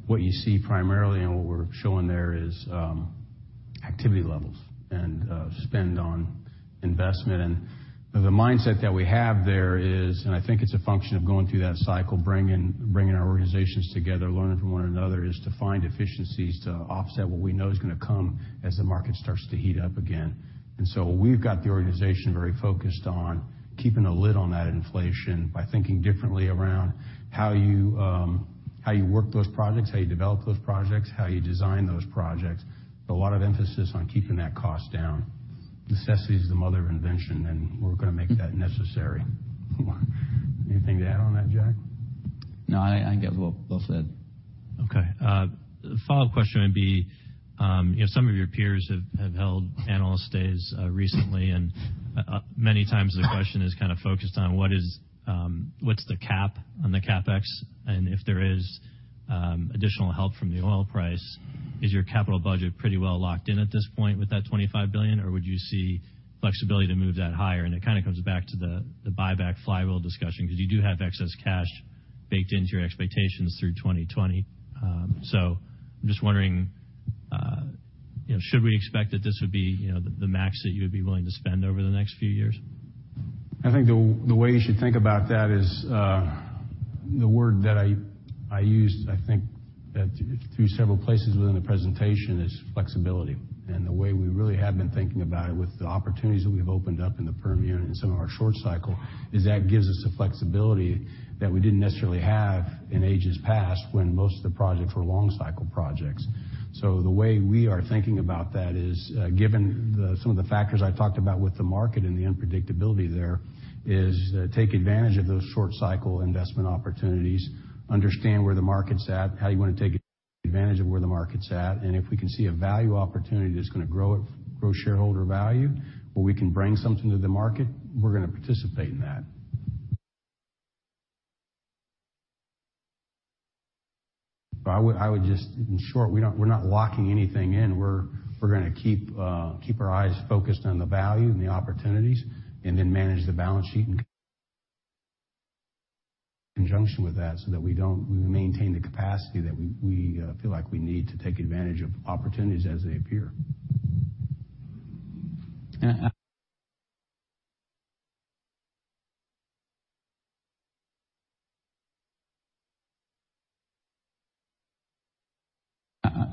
What you see primarily and what we're showing there is activity levels and spend on investment. The mindset that we have there is, and I think it's a function of going through that cycle, bringing our organizations together, learning from one another, is to find efficiencies to offset what we know is going to come as the market starts to heat up again. We've got the organization very focused on keeping a lid on that inflation by thinking differently around how you work those projects, how you develop those projects, how you design those projects. A lot of emphasis on keeping that cost down. Necessity is the mother of invention, and we're going to make that necessary. Anything to add on that, Jack? No, I think that's well said. Okay. Follow-up question would be some of your peers have held analyst days recently, and many times the question is kind of focused on what's the cap on the CapEx, and if there is additional help from the oil price. Is your capital budget pretty well locked in at this point with that $25 billion, or would you see flexibility to move that higher? It kind of comes back to the buyback flywheel discussion because you do have excess cash baked into your expectations through 2020. I'm just wondering, should we expect that this would be the max that you would be willing to spend over the next few years? I think the way you should think about that is the word that I used I think through several places within the presentation is flexibility. The way we really have been thinking about it with the opportunities that we've opened up in the Permian and some of our short cycle is that gives us the flexibility that we didn't necessarily have in ages past when most of the projects were long cycle projects. The way we are thinking about that is given some of the factors I talked about with the market and the unpredictability there is take advantage of those short cycle investment opportunities, understand where the market's at, how you want to take advantage of where the market's at, and if we can see a value opportunity that's going to grow shareholder value, where we can bring something to the market, we're going to participate in that. I would just in short, we're not locking anything in. We're going to keep our eyes focused on the value and the opportunities and then manage the balance sheet in conjunction with that so that we maintain the capacity that we feel like we need to take advantage of opportunities as they appear.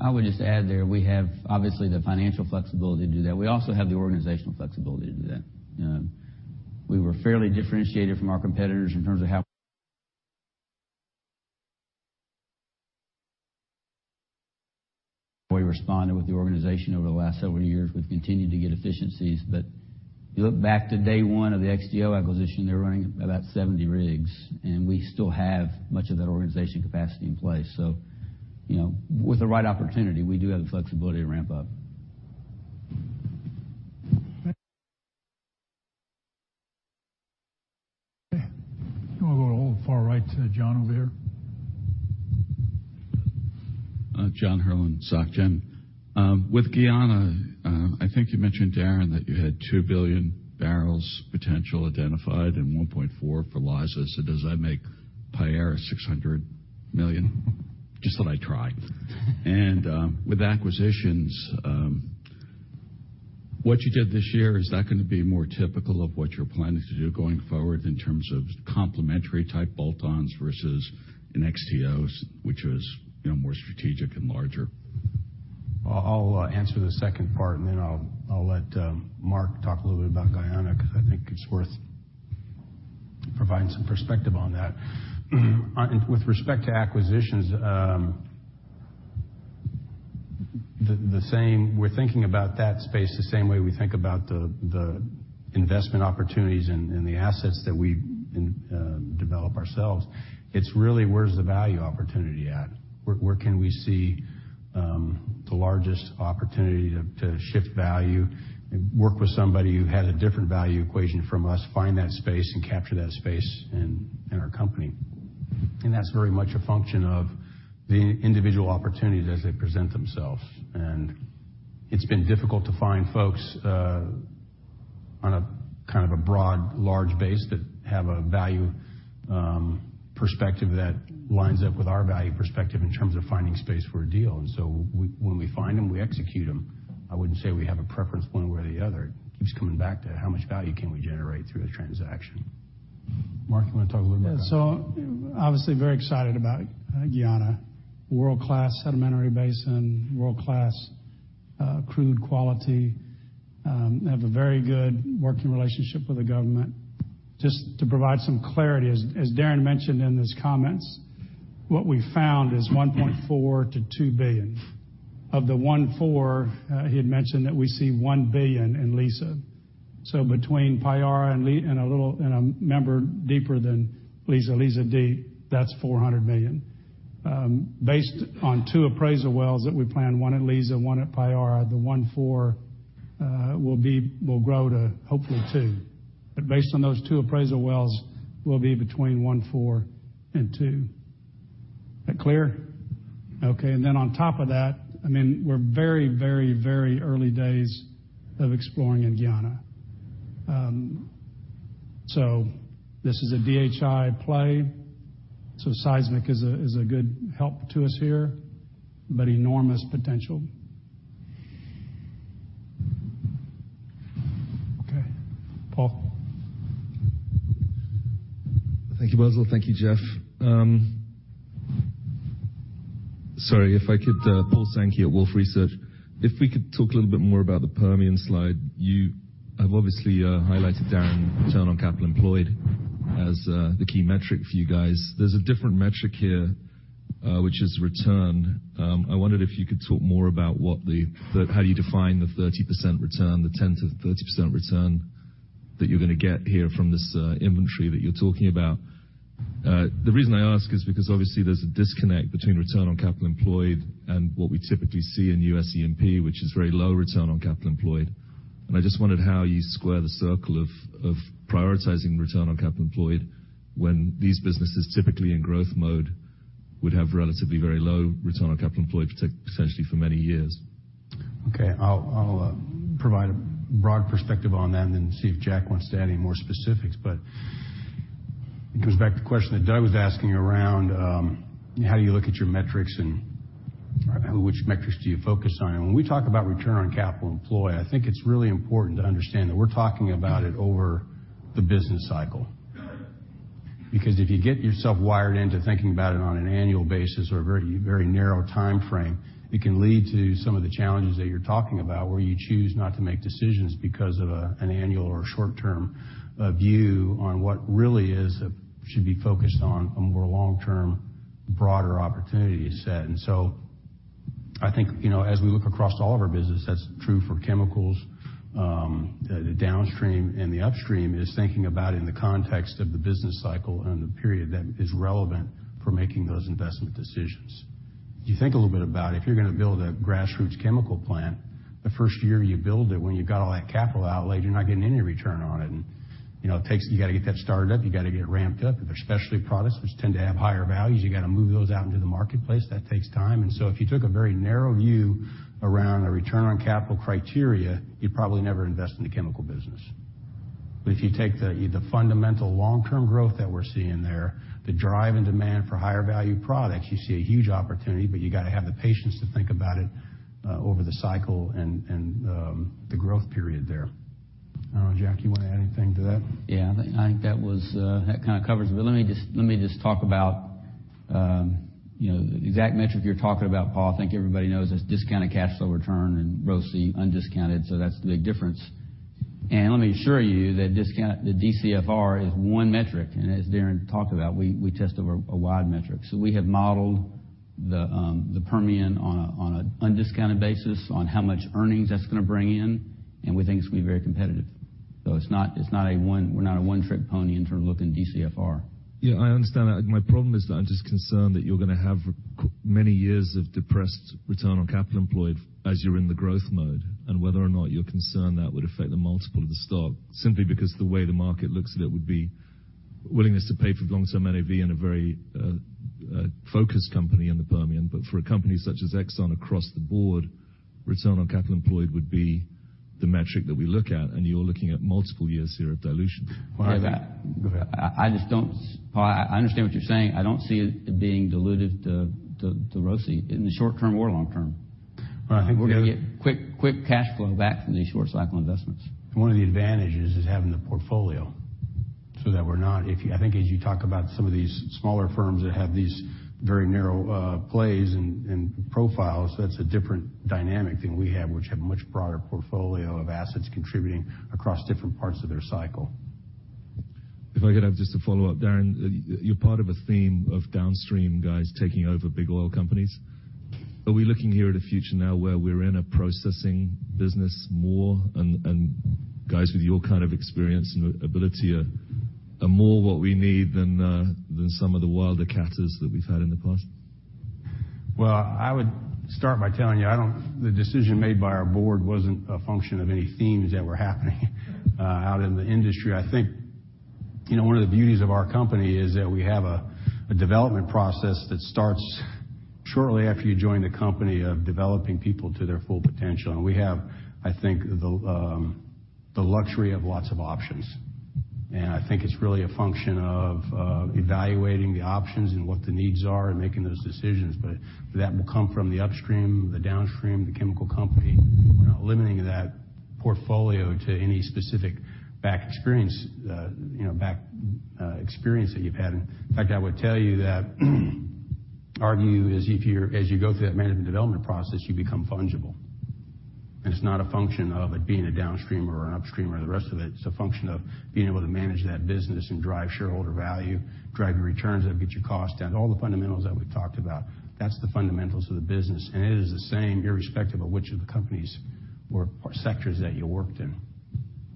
I would just add there, we have, obviously, the financial flexibility to do that. We also have the organizational flexibility to do that. We were fairly differentiated from our competitors in terms of how we responded with the organization over the last several years. We've continued to get efficiencies. You look back to day one of the XTO acquisition, they were running about 70 rigs, and we still have much of that organization capacity in place. With the right opportunity, we do have the flexibility to ramp up. Okay. You want to go all the far right to John over there? John Herrlin, SocGen. With Guyana, I think you mentioned, Darren, that you had 2 billion barrels potential identified and 1.4 for Liza. Does that make Payara 600 million? Just thought I'd try. With acquisitions, what you did this year, is that going to be more typical of what you're planning to do going forward in terms of complementary type bolt-ons versus an XTOs, which was more strategic and larger? I'll answer the second part, then I'll let Mark talk a little bit about Guyana because I think it's worth providing some perspective on that. With respect to acquisitions, we're thinking about that space the same way we think about the investment opportunities and the assets that we develop ourselves. It's really where's the value opportunity at? Where can we see the largest opportunity to shift value, work with somebody who has a different value equation from us, find that space, and capture that space in our company. That's very much a function of the individual opportunities as they present themselves. It's been difficult to find folks on a broad, large base that have a value perspective that lines up with our value perspective in terms of finding space for a deal. When we find them, we execute them. I wouldn't say we have a preference one way or the other. It keeps coming back to how much value can we generate through a transaction. Mark, you want to talk a little bit about that? Obviously very excited about Guyana. World-class sedimentary basin, world-class crude quality. Have a very good working relationship with the government. Just to provide some clarity, as Darren mentioned in his comments, what we found is 1.4 billion to 2 billion. Of the $1.4 billion, he had mentioned that we see $1 billion in Liza. Between Payara and a member deeper than Liza Deep, that's 400 million. Based on 2 appraisal wells that we plan, 1 at Liza, 1 at Payara, the $1.4 billion will grow to hopefully 2 billion. Based on those 2 appraisal wells, we'll be between $1.4 billion and 2 billion. That clear? Okay. On top of that, we're very early days of exploring in Guyana. This is a DHI play. Seismic is a good help to us here, but enormous potential. Okay. Paul. Thank you, Boswell. Thank you, Jeff. Sorry, Paul Sankey at Wolfe Research. If we could talk a little bit more about the Permian slide. You have obviously highlighted, Darren, return on capital employed as the key metric for you guys. There's a different metric here, which is return. I wondered if you could talk more about how you define the 30% return, the 10%-30% return that you're going to get here from this inventory that you're talking about. The reason I ask is because obviously there's a disconnect between return on capital employed and what we typically see in US E&P, which is very low return on capital employed. I just wondered how you square the circle of prioritizing return on capital employed when these businesses, typically in growth mode, would have relatively very low return on capital employed, potentially for many years. I'll provide a broad perspective on that and then see if Jack wants to add any more specifics. It comes back to the question that Doug was asking around how do you look at your metrics and which metrics do you focus on. When we talk about return on capital employed, I think it's really important to understand that we're talking about it over the business cycle. Because if you get yourself wired into thinking about it on an annual basis or a very narrow timeframe, it can lead to some of the challenges that you're talking about, where you choose not to make decisions because of an annual or short-term view on what really should be focused on a more long-term, broader opportunity set. I think, as we look across all of our business, that's true for chemicals. The downstream and the upstream is thinking about in the context of the business cycle and the period that is relevant for making those investment decisions. If you think a little bit about if you're going to build a grassroots chemical plant, the first year you build it, when you've got all that capital outlaid, you're not getting any return on it. You got to get that started up. You got to get it ramped up. If they're specialty products, which tend to have higher values, you got to move those out into the marketplace. That takes time. If you took a very narrow view around a return on capital criteria, you'd probably never invest in the chemical business. If you take the fundamental long-term growth that we're seeing there, the drive and demand for higher value products, you see a huge opportunity, but you got to have the patience to think about it over the cycle and the growth period there. I don't know, Jack, you want to add anything to that? Yeah. I think that kind of covers it, but let me just talk about the exact metric you're talking about, Paul. I think everybody knows it's discounted cash flow return and ROCE undiscounted, that's the big difference. Let me assure you that the DCFR is one metric, and as Darren talked about, we test over a wide metric. We have modeled the Permian on an undiscounted basis on how much earnings that's going to bring in, and we think it's going to be very competitive. We're not a one-trick pony in terms of looking at DCFR. Yeah, I understand that. My problem is that I'm just concerned that you're going to have many years of depressed return on capital employed as you're in the growth mode, and whether or not you're concerned that would affect the multiple of the stock, simply because the way the market looks at it would be willingness to pay for long-term NAV in a very focused company in the Permian. For a company such as Exxon across the board, return on capital employed would be the metric that we look at, and you're looking at multiple years here of dilution. Yeah. Go ahead. Paul, I understand what you're saying. I don't see it being dilutive to ROCE in the short term or long term. Right. I think we're going to get quick cash flow back from these short cycle investments. One of the advantages is having the portfolio so that I think as you talk about some of these smaller firms that have these very narrow plays and profiles, that's a different dynamic than we have, which have much broader portfolio of assets contributing across different parts of their cycle. If I could have just a follow-up, Darren, you're part of a theme of downstream guys taking over big oil companies. Are we looking here at a future now where we're in a processing business more, and guys with your kind of experience and ability are more what we need than some of the wildcatters that we've had in the past? Well, I would start by telling you, the decision made by our board wasn't a function of any themes that were happening out in the industry. I think one of the beauties of our company is that we have a development process that starts shortly after you join the company of developing people to their full potential. We have, I think, the luxury of lots of options. I think it's really a function of evaluating the options and what the needs are and making those decisions. That will come from the upstream, the downstream, the chemical company. We're not limiting that portfolio to any specific back experience that you've had. I would tell you that our view is as you go through that management development process, you become fungible, and it's not a function of it being a downstream or an upstream or the rest of it. It's a function of being able to manage that business and drive shareholder value, drive your returns up, get your costs down, all the fundamentals that we've talked about. That's the fundamentals of the business, and it is the same irrespective of which of the companies or sectors that you worked in.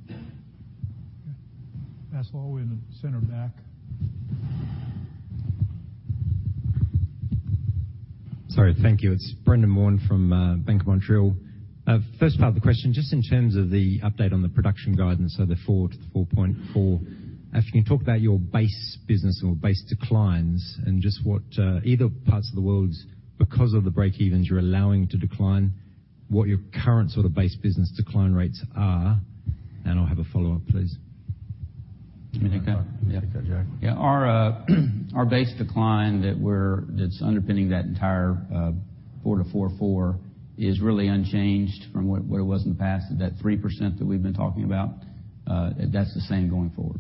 Yeah. Pass along in the center back. Sorry. Thank you. It's Brendan Warn from BMO Financial Group. First part of the question, just in terms of the update on the production guidance of the 4 to the 4.4. If you can talk about your base business or base declines and just what either parts of the world, because of the breakevens you're allowing to decline, what your current sort of base business decline rates are, and I'll have a follow-up, please. You want me to take that? You take that, Jack. Yeah. Our base decline that's underpinning that entire 4 to 4.4 is really unchanged from where it was in the past. That 3% that we've been talking about, that's the same going forward.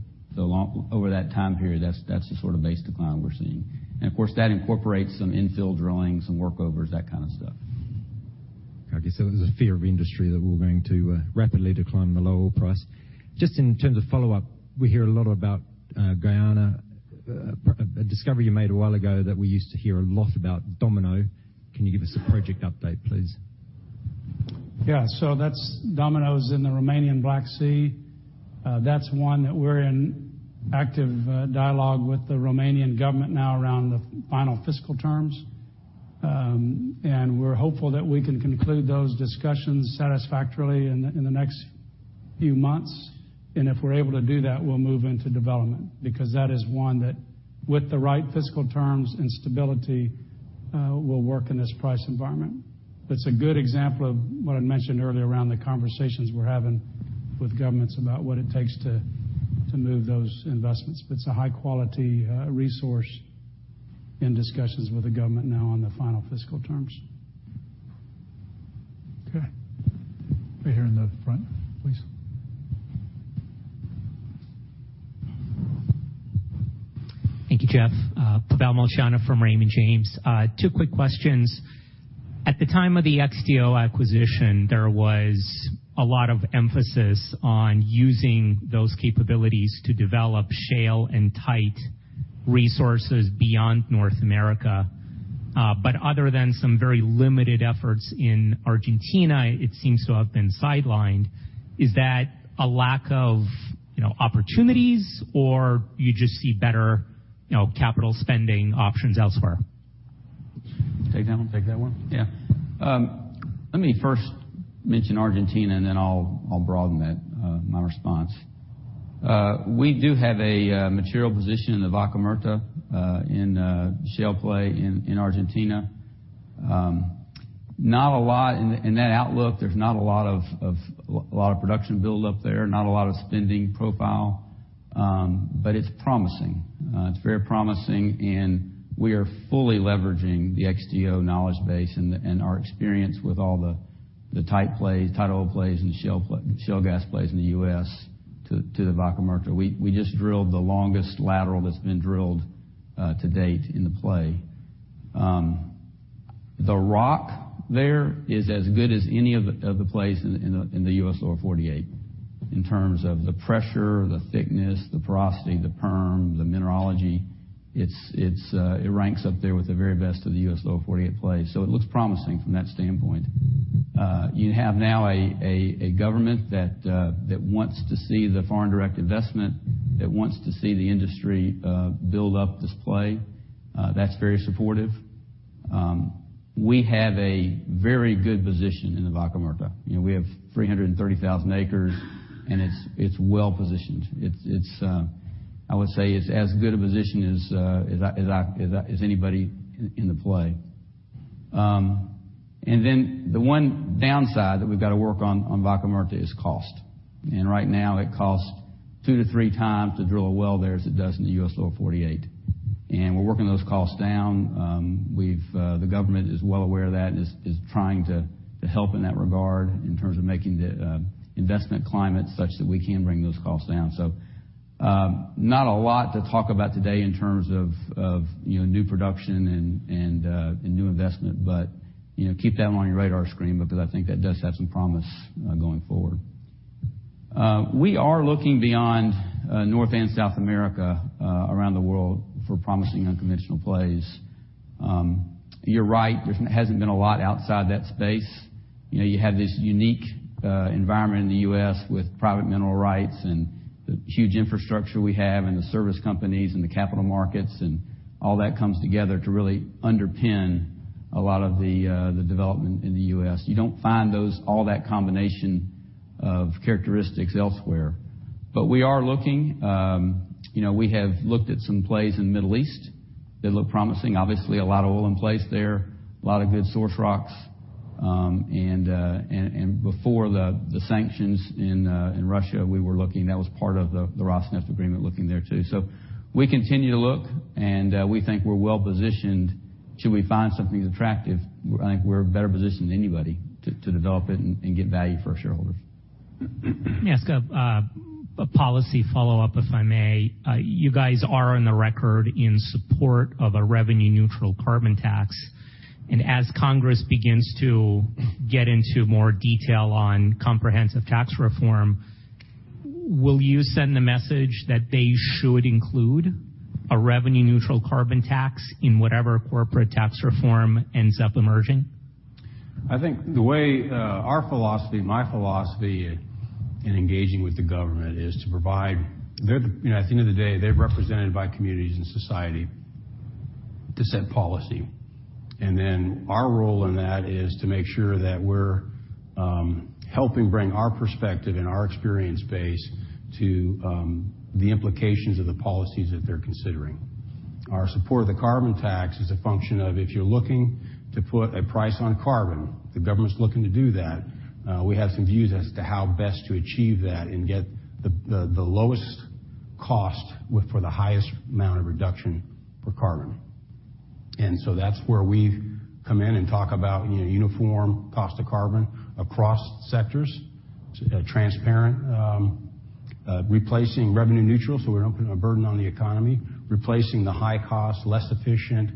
Over that time period, that's the sort of base decline we're seeing. And of course, that incorporates some infill drilling, some workovers, that kind of stuff. Okay. There's a fear of industry that we're going to rapidly decline in the low oil price. Just in terms of follow-up, we hear a lot about Guyana, a discovery you made a while ago that we used to hear a lot about Domino. Can you give us a project update, please? Yeah. Domino is in the Romanian Black Sea. That's one that we're in active dialogue with the Romanian government now around the final fiscal terms. We're hopeful that we can conclude those discussions satisfactorily in the next few months. If we're able to do that, we'll move into development because that is one that with the right fiscal terms and stability will work in this price environment. It's a good example of what I mentioned earlier around the conversations we're having with governments about what it takes to move those investments. It's a high-quality resource in discussions with the government now on the final fiscal terms. Okay. Right here in the front, please. Thank you, Jeff. Pavel Molchanov from Raymond James. Two quick questions. At the time of the XTO acquisition, there was a lot of emphasis on using those capabilities to develop shale and tight resources beyond North America. Other than some very limited efforts in Argentina, it seems to have been sidelined. Is that a lack of opportunities, or you just see better capital spending options elsewhere? Take that one? Take that one. Yeah. Let me first mention Argentina, then I'll broaden my response. We do have a material position in the Vaca Muerta in shale play in Argentina. In that outlook, there's not a lot of production build up there, not a lot of spending profile. It's promising. It's very promising. We are fully leveraging the XTO knowledge base and our experience with all the tight oil plays and shale gas plays in the U.S. to the Vaca Muerta. We just drilled the longest lateral that's been drilled to date in the play. The rock there is as good as any of the plays in the U.S. Lower 48, in terms of the pressure, the thickness, the porosity, the perm, the mineralogy. It ranks up there with the very best of the U.S. Lower 48 plays. It looks promising from that standpoint. You have now a government that wants to see the foreign direct investment, that wants to see the industry build up this play. That's very supportive. We have a very good position in the Vaca Muerta. We have 330,000 acres, it's well-positioned. I would say it's as good a position as anybody in the play. The one downside that we've got to work on Vaca Muerta is cost. Right now, it costs two to three times to drill a well there as it does in the U.S. Lower 48. We're working those costs down. The government is well aware of that and is trying to help in that regard in terms of making the investment climate such that we can bring those costs down. Not a lot to talk about today in terms of new production and new investment, but keep that one on your radar screen, because I think that does have some promise going forward. We are looking beyond North and South America around the world for promising unconventional plays. You're right, there hasn't been a lot outside that space. You have this unique environment in the U.S. with private mineral rights and the huge infrastructure we have and the service companies and the capital markets and all that comes together to really underpin a lot of the development in the U.S. You don't find all that combination of characteristics elsewhere. But we are looking. We have looked at some plays in Middle East that look promising. Obviously, a lot of oil in place there, a lot of good source rocks. Before the sanctions in Russia, we were looking. That was part of the Rosneft agreement, looking there, too. We continue to look, and we think we're well-positioned should we find something attractive. I think we're better positioned than anybody to develop it and get value for our shareholders. May I ask a policy follow-up, if I may? You guys are on the record in support of a revenue-neutral carbon tax. As Congress begins to get into more detail on comprehensive tax reform, will you send the message that they should include a revenue-neutral carbon tax in whatever corporate tax reform ends up emerging? I think the way our philosophy, my philosophy in engaging with the government is to provide. At the end of the day, they're represented by communities and society to set policy. Then our role in that is to make sure that we're helping bring our perspective and our experience base to the implications of the policies that they're considering. Our support of the carbon tax is a function of if you're looking to put a price on carbon, the government's looking to do that. We have some views as to how best to achieve that and get the lowest cost for the highest amount of reduction for carbon. So that's where we come in and talk about uniform cost of carbon across sectors, transparent. Replacing revenue neutral, so we don't put a burden on the economy, replacing the high cost, less efficient,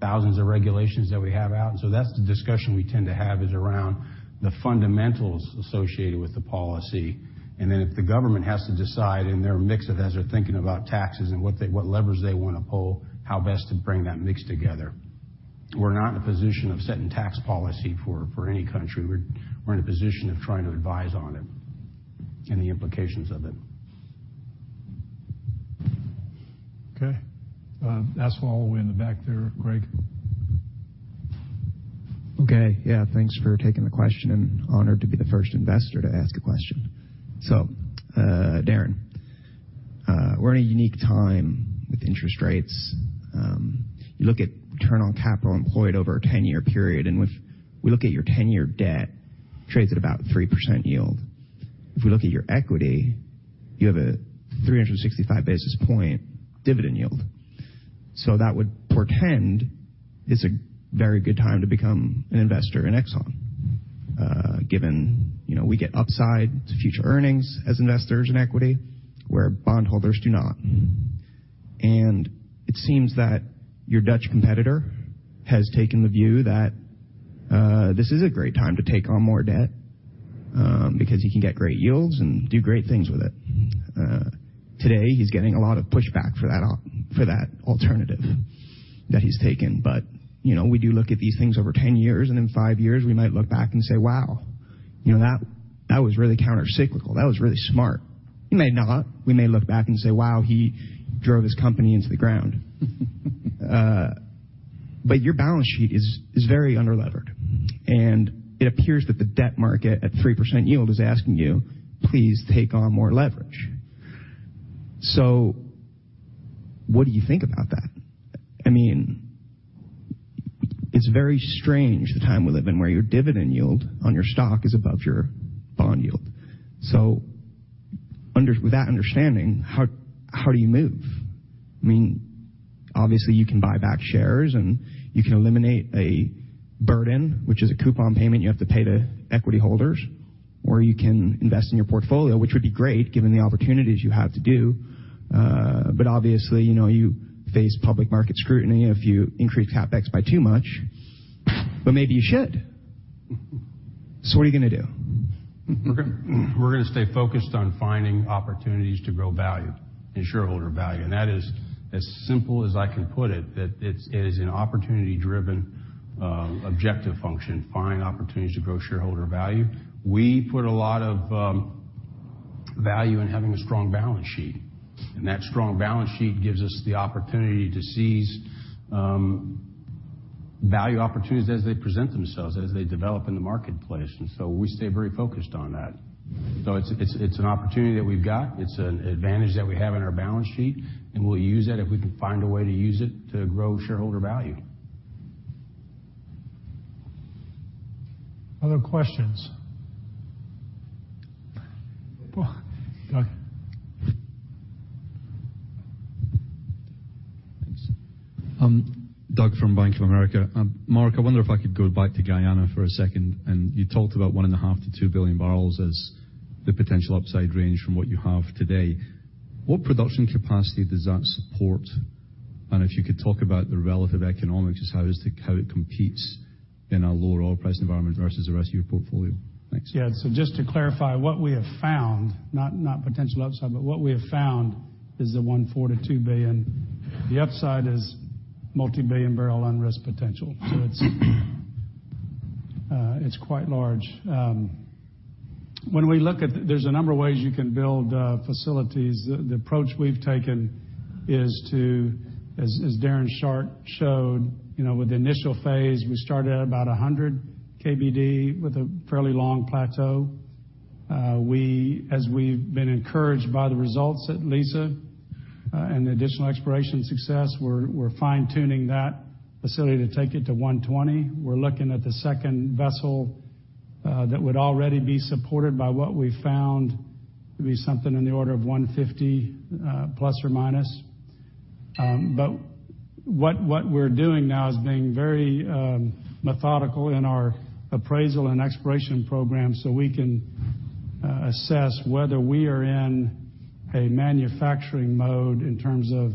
thousands of regulations that we have out. That's the discussion we tend to have is around the fundamentals associated with the policy. If the government has to decide in their mix of as they're thinking about taxes and what levers they want to pull, how best to bring that mix together. We're not in a position of setting tax policy for any country. We're in a position of trying to advise on it and the implications of it. Okay. Ask all the way in the back there, Greg. Okay. Yeah, thanks for taking the question, and honored to be the first investor to ask a question. Darren, we're in a unique time with interest rates. You look at return on capital employed over a 10-year period, and if we look at your 10-year debt, trades at about 3% yield. If we look at your equity, you have a 365 basis point dividend yield. That would portend it's a very good time to become an investor in Exxon. Given we get upside to future earnings as investors in equity where bondholders do not. It seems that your Dutch competitor has taken the view that this is a great time to take on more debt because you can get great yields and do great things with it. Today, he's getting a lot of pushback for that alternative that he's taken. We do look at these things over 10 years, and in five years, we might look back and say, "Wow, that was really countercyclical. That was really smart." We may not. We may look back and say, "Wow, he drove his company into the ground." Your balance sheet is very underlevered, and it appears that the debt market at 3% yield is asking you, please take on more leverage. What do you think about that? It's very strange, the time we live in, where your dividend yield on your stock is above your bond yield. With that understanding, how do you move? Obviously, you can buy back shares, and you can eliminate a burden, which is a coupon payment you have to pay to equity holders, or you can invest in your portfolio, which would be great given the opportunities you have to do. Obviously, you face public market scrutiny if you increase CapEx by too much, maybe you should. What are you going to do? We're going to stay focused on finding opportunities to grow value and shareholder value, that is as simple as I can put it, that it is an opportunity-driven objective function, finding opportunities to grow shareholder value. We put a lot of value in having a strong balance sheet, that strong balance sheet gives us the opportunity to seize value opportunities as they present themselves, as they develop in the marketplace. We stay very focused on that. It's an opportunity that we've got. It's an advantage that we have in our balance sheet, we'll use that if we can find a way to use it to grow shareholder value. Other questions? Doug. Thanks. Doug from Bank of America. Mark, I wonder if I could go back to Guyana for a second. You talked about one and a half to two billion barrels as the potential upside range from what you have today. What production capacity does that support? If you could talk about the relative economics as how it competes in a lower oil price environment versus the rest of your portfolio. Thanks. Just to clarify, what we have found, not potential upside, but what we have found is the 1.4 billion-2 billion. The upside is multi-billion barrel unrisked potential. It's quite large. There's a number of ways you can build facilities. The approach we've taken is to, as Darren's chart showed, with the initial phase, we started at about 100 KBD with a fairly long plateau. As we've been encouraged by the results at Liza and the additional exploration success, we're fine-tuning that facility to take it to 120. We're looking at the second vessel that would already be supported by what we've found to be something in the order of 150 ±. What we're doing now is being very methodical in our appraisal and exploration program so we can assess whether we are in a manufacturing mode in terms of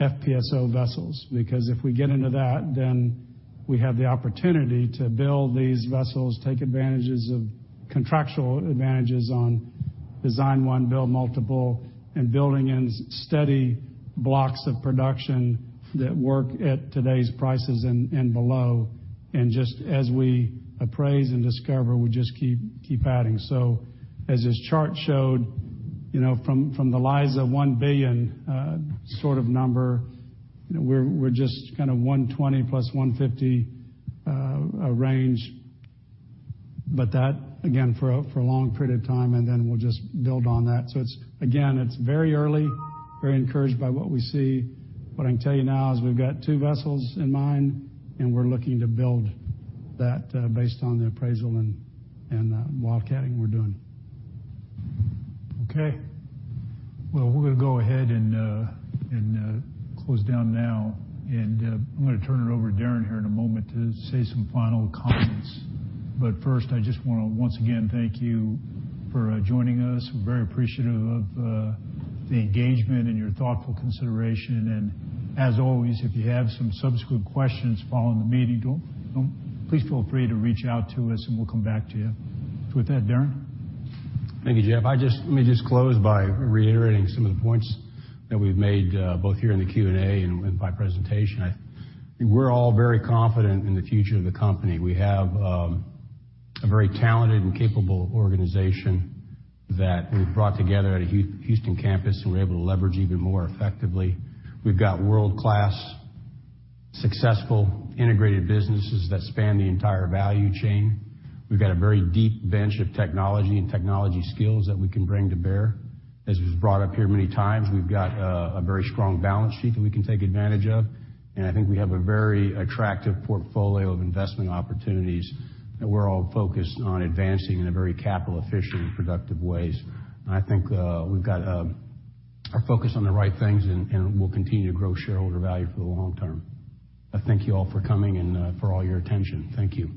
FPSO vessels. Because if we get into that, then we have the opportunity to build these vessels, take contractual advantages on design 1, build multiple, and building in steady blocks of production that work at today's prices and below. Just as we appraise and discover, we just keep adding. As this chart showed from the Liza 1 billion sort of number, we're just kind of 120 plus 150 range. That, again, for a long period of time, and then we'll just build on that. Again, it's very early, very encouraged by what we see. What I can tell you now is we've got two vessels in mind, and we're looking to build that based on the appraisal and the wildcatting we're doing. We're going to go ahead and close down now, and I'm going to turn it over to Darren here in a moment to say some final comments. First, I just want to once again thank you for joining us. We're very appreciative of the engagement and your thoughtful consideration. As always, if you have some subsequent questions following the meeting, please feel free to reach out to us, and we'll come back to you. With that, Darren? Thank you, Jeff. Let me just close by reiterating some of the points that we've made both here in the Q&A and by presentation. We're all very confident in the future of the company. We have a very talented and capable organization that we've brought together at a Houston campus, and we're able to leverage even more effectively. We've got world-class, successful integrated businesses that span the entire value chain. We've got a very deep bench of technology and technology skills that we can bring to bear. As was brought up here many times, we've got a very strong balance sheet that we can take advantage of, and I think we have a very attractive portfolio of investment opportunities that we're all focused on advancing in a very capital efficient and productive ways. I think we've got our focus on the right things, and we'll continue to grow shareholder value for the long term. I thank you all for coming and for all your attention. Thank you.